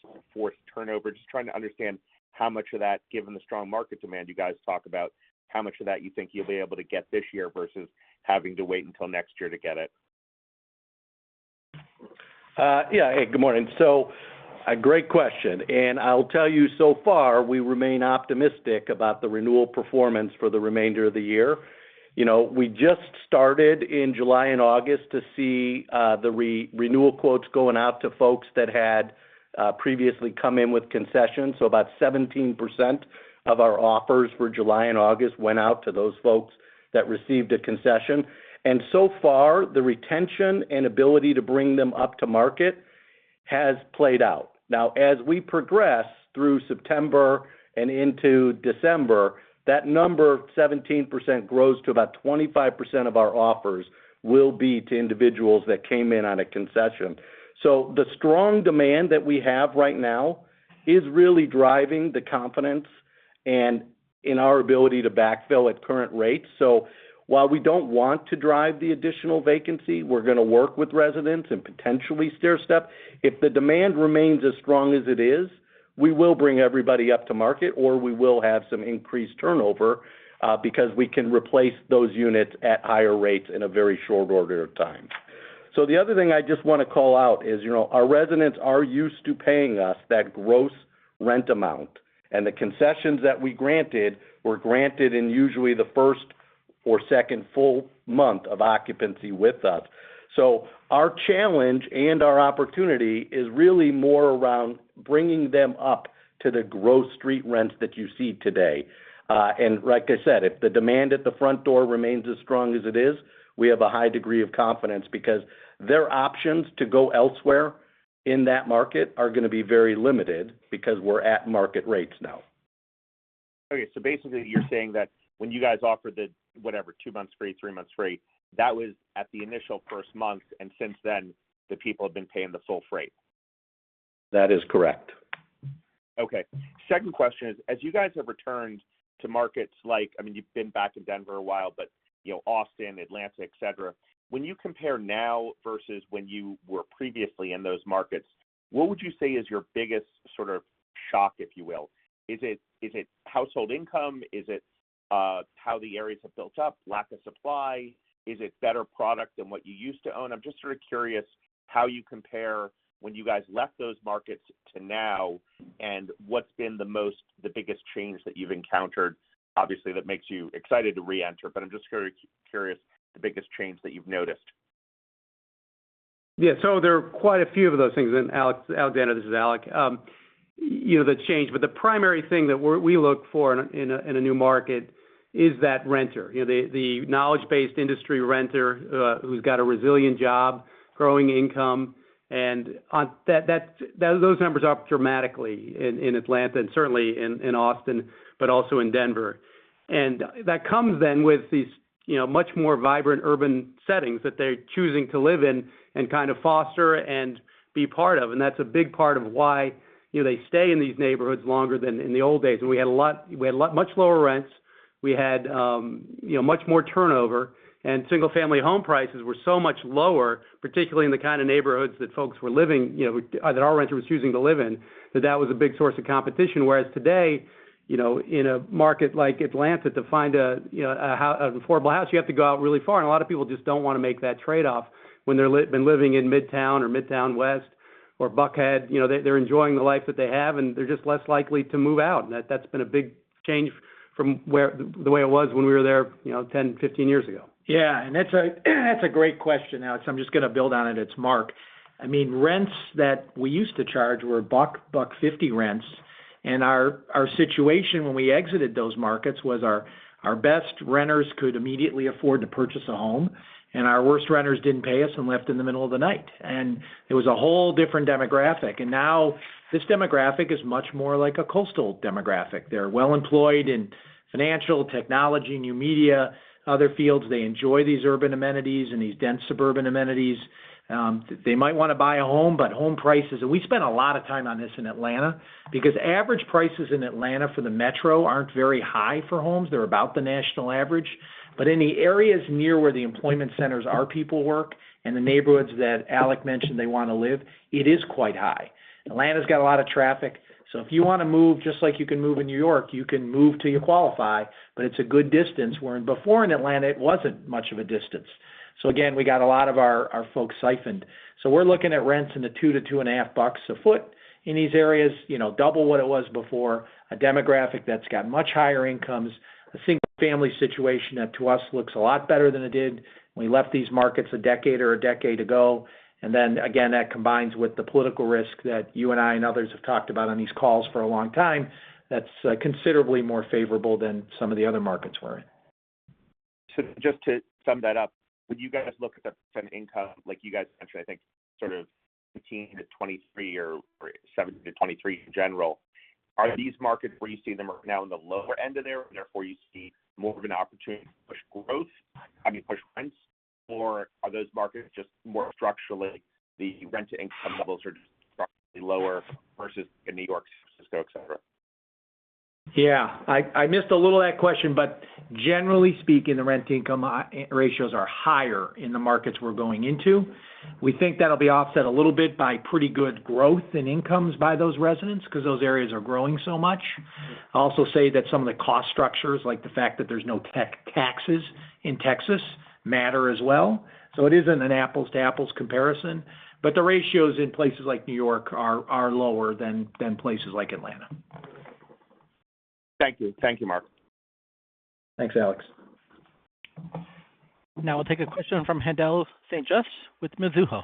turnover? Just trying to understand how much of that, given the strong market demand you guys talk about, how much of that you think you'll be able to get this year versus having to wait until next year to get it? Yeah. Hey, good morning. A great question, and I'll tell you so far, we remain optimistic about the renewal performance for the remainder of the year. We just started in July and August to see the renewal quotes going out to folks that had previously come in with concessions. About 17% of our offers for July and August went out to those folks that received a concession. So far, the retention and ability to bring them up to market has played out. Now, as we progress through September and into December, that number, 17%, grows to about 25% of our offers will be to individuals that came in on a concession. The strong demand that we have right now is really driving the confidence and in our ability to backfill at current rates. While we don't want to drive the additional vacancy, we're going to work with residents and potentially stairstep. If the demand remains as strong as it is, we will bring everybody up to market, or we will have some increased turnover, because we can replace those units at higher rates in a very short order of time. The other thing I just want to call out is, our residents are used to paying us that gross rent amount, and the concessions that we granted were granted in usually the first or second full month of occupancy with us. Our challenge and our opportunity is really more around bringing them up to the gross street rents that you see today. Like I said, if the demand at the front door remains as strong as it is, we have a high degree of confidence because their options to go elsewhere in that market are going to be very limited because we're at market rates now. Okay. Basically you're saying that when you guys offered the, whatever, two months free, three months free, that was at the initial first month, and since then, the people have been paying the full freight? That is correct. Okay. Second question is, as you guys have returned to markets like you've been back in Denver a while, but Austin, Atlanta, et cetera. When you compare now versus when you were previously in those markets, what would you say is your biggest sort of shock, if you will? Is it household income? Is it how the areas have built up? Lack of supply? Is it better product than what you used to own? I'm just sort of curious how you compare when you guys left those markets to now, and what's been the biggest change that you've encountered, obviously, that makes you excited to reenter. I'm just curious the biggest change that you've noticed. Yeah. There are quite a few of those things. Alex, this is Alec. The change, the primary thing that we look for in a new market is that renter, the knowledge-based industry renter, who's got a resilient job, growing income, and those numbers are up dramatically in Atlanta and certainly in Austin, but also in Denver. That comes with these much more vibrant urban settings that they're choosing to live in and kind of foster and be part of. That's a big part of why they stay in these neighborhoods longer than in the old days. We had much lower rents. We had much more turnover, and single-family home prices were so much lower, particularly in the kind of neighborhoods that our renter was choosing to live in, that that was a big source of competition. Today, in a market like Atlanta, to find affordable house, you have to go out really far. A lot of people just don't want to make that trade-off when they've been living in Midtown or Midtown West or Buckhead. They're enjoying the life that they have, and they're just less likely to move out. That's been a big change from the way it was when we were there 10, 15 years ago. Yeah. That's a great question, Alex. I'm just going to build on it. It's Mark. Rents that we used to charge were $100, $150 rents. Our situation when we exited those markets was our best renters could immediately afford to purchase a home, and our worst renters didn't pay us and left in the middle of the night. It was a whole different demographic. Now this demographic is much more like a coastal demographic. They're well-employed in financial, technology, new media, other fields. They enjoy these urban amenities and these dense suburban amenities. They might want to buy a home, but home prices And we spent a lot of time on this in Atlanta because average prices in Atlanta for the metro aren't very high for homes. They're about the national average. In the areas near where the employment centers our people work and the neighborhoods that Alec mentioned they want to live, it is quite high. Atlanta's got a lot of traffic, so if you want to move, just like you can move in New York, you can move till you qualify, but it's a good distance, where before in Atlanta, it wasn't much of a distance. Again, we got a lot of our folks siphoned. We're looking at rents in the $2 to $2.50 a foot in these areas. Double what it was before. A demographic that's got much higher incomes. A single-family situation that to us looks a lot better than it did when we left these markets a decade ago. Again, that combines with the political risk that you and I and others have talked about on these calls for a long time, that's considerably more favorable than some of the other markets we're in. Just to sum that up, when you guys look at the percent income, like you guys mentioned, I think sort of 18%-23% or 17%-23% in general, are these markets where you see them are now in the lower end of there, and therefore you see more of an opportunity to push growth, I mean, push rents? Or are those markets just more structurally, the rent to income levels are just structurally lower versus New York, San Francisco, et cetera? Yeah. I missed a little of that question, but generally speaking, the rent income ratios are higher in the markets we're going into. We think that'll be offset a little bit by pretty good growth in incomes by those residents, because those areas are growing so much. I'll also say that some of the cost structures, like the fact that there's no tech taxes in Texas matter as well. It isn't an apples to apples comparison, but the ratios in places like New York are lower than places like Atlanta. Thank you. Thank you, Mark. Thanks, Alex. Now I'll take a question from Haendel St. Juste with Mizuho.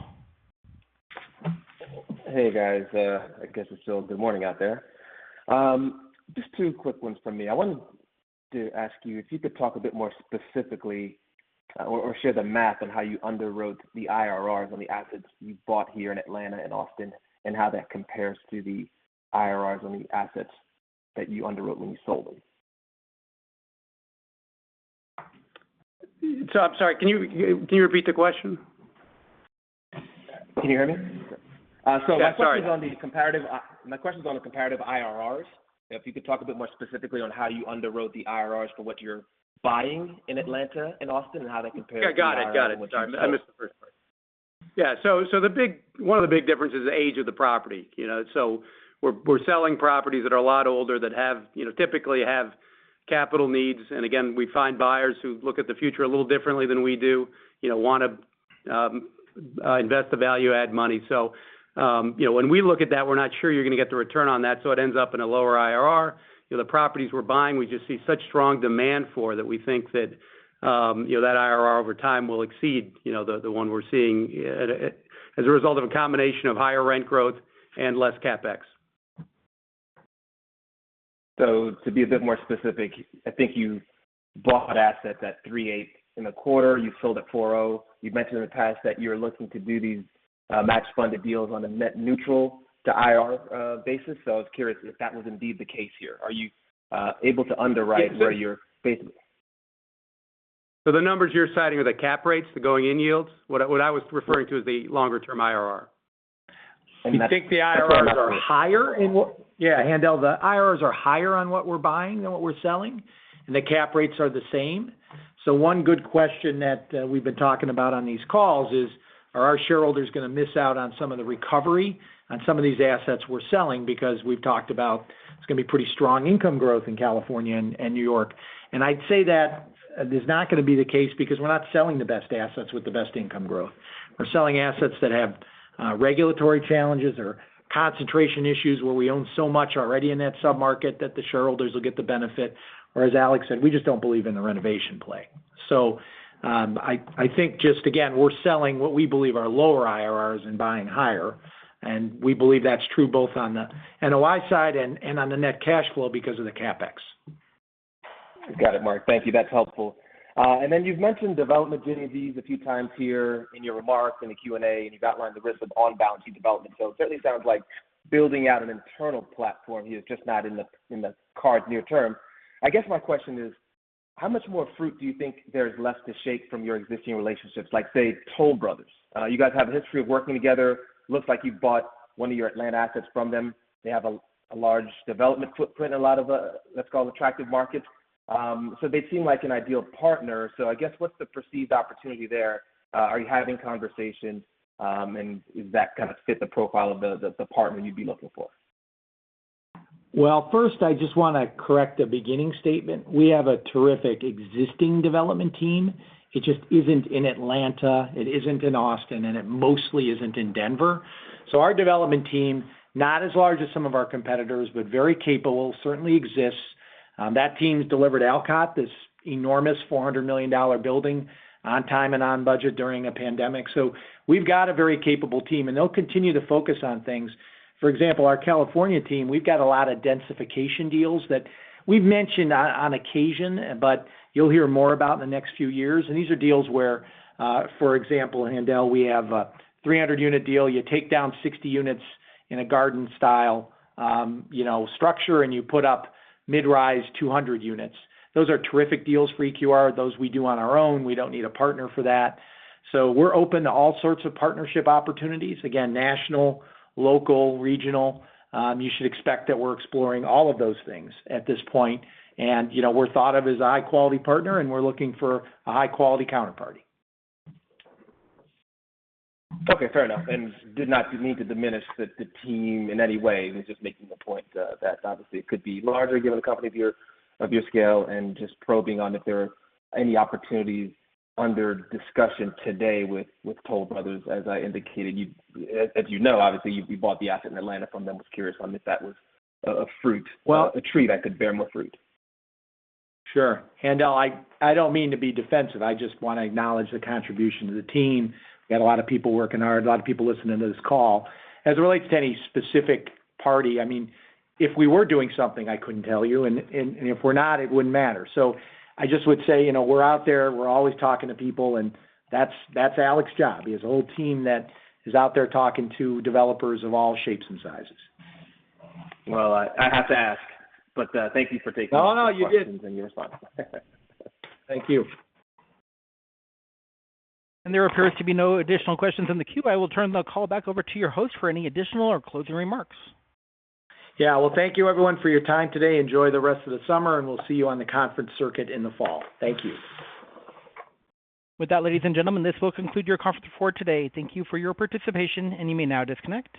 Hey, guys. I guess it's still good morning out there. Just two quick ones from me. I wanted to ask you if you could talk a bit more specifically or share the math on how you underwrote the IRRs on the assets you bought here in Atlanta and Austin, and how that compares to the IRRs on the assets that you underwrote when you sold them. I'm sorry, can you repeat the question? Can you hear me? Yeah, sorry. My question's on the comparative IRRs. If you could talk a bit more specifically on how you underwrote the IRRs for what you're buying in Atlanta and Austin, and how that compares to the IRRs on what you sold? Got it. Sorry. I missed the first part. Yeah. One of the big differences is age of the property. We're selling properties that are a lot older, that typically have capital needs. Again, we find buyers who look at the future a little differently than we do, want to invest the value-add money. When we look at that, we're not sure you're going to get the return on that, so it ends up in a lower IRR. The properties we're buying, we just see such strong demand for that we think that IRR over time will exceed the one we're seeing as a result of a combination of higher rent growth and less CapEx. To be a bit more specific, I think you bought assets at 3.8% in the quarter. You've sold at 4.0%. You've mentioned in the past that you're looking to do these match-funded deals on a net neutral to IRR basis. I was curious if that was indeed the case here. Are you able to underwrite where you're basically- The numbers you're citing are the cap rates, the going-in yields? What I was referring to is the longer-term IRR. And that- You think the IRRs are higher in what. Yeah, Haendel, the IRRs are higher on what we're buying than what we're selling, and the cap rates are the same. One good question that we've been talking about on these calls is, are our shareholders going to miss out on some of the recovery on some of these assets we're selling? Because we've talked about it's going to be pretty strong income growth in California and New York. I'd say that is not going to be the case because we're not selling the best assets with the best income growth. We're selling assets that have regulatory challenges or concentration issues where we own so much already in that sub-market that the shareholders will get the benefit. As Alec said, we just don't believe in the renovation play. I think just again, we're selling what we believe are lower IRRs and buying higher. We believe that's true both on the NOI side and on the net cash flow because of the CapEx. Got it, Mark. Thank you. That's helpful. Then you've mentioned development JVs a few times here in your remarks, in the Q&A, and you've outlined the risk of on-balance sheet development. It certainly sounds like building out an internal platform here is just not in the cards near term. I guess my question is, how much more fruit do you think there is left to shake from your existing relationships? Like say, Toll Brothers. You guys have a history of working together. Looks like you bought one of your Atlanta assets from them. They have a large development footprint in a lot of, let's call, attractive markets. They seem like an ideal partner. I guess, what's the perceived opportunity there? Are you having conversations? Does that kind of fit the profile of the partner you'd be looking for? Well, first I just want to correct a beginning statement. We have a terrific existing development team. It just isn't in Atlanta, it isn't in Austin, and it mostly isn't in Denver. Our development team, not as large as some of our competitors, but very capable, certainly exists. That team's delivered Alcott, this enormous $400 million building on time and on budget during a pandemic. We've got a very capable team, and they'll continue to focus on things. For example, our California team, we've got a lot of densification deals that we've mentioned on occasion, but you'll hear more about in the next few years. These are deals where, for example, Haendel, we have a 300-unit deal. You take down 60 units in a garden-style structure, and you put up mid-rise 200 units. Those are terrific deals for EQR. Those we do on our own. We don't need a partner for that. We're open to all sorts of partnership opportunities. Again, national, local, regional. You should expect that we're exploring all of those things at this point. We're thought of as a high-quality partner and we're looking for a high-quality counterparty. Okay, fair enough. Did not mean to diminish the team in any way. Was just making the point that obviously it could be larger given a company of your scale. Just probing on if there are any opportunities under discussion today with Toll Brothers. As you know, obviously, you bought the asset in Atlanta from them. Was curious on if that was a tree that could bear more fruit. Sure. Haendel, I don't mean to be defensive. I just want to acknowledge the contribution to the team. We got a lot of people working hard, a lot of people listening to this call. As it relates to any specific party, if we were doing something, I couldn't tell you, and if we're not, it wouldn't matter. I just would say, we're out there, we're always talking to people, and that's Alec's job. He has a whole team that is out there talking to developers of all shapes and sizes. Well, I have to ask, thank you for taking my questions and your response. Oh, no. You're good. Thank you. There appears to be no additional questions in the queue. I will turn the call back over to your host for any additional or closing remarks. Yeah. Well, thank you everyone for your time today. Enjoy the rest of the summer, and we'll see you on the conference circuit in the fall. Thank you. With that, ladies and gentlemen, this will conclude your conference for today. Thank you for your participation, and you may now disconnect.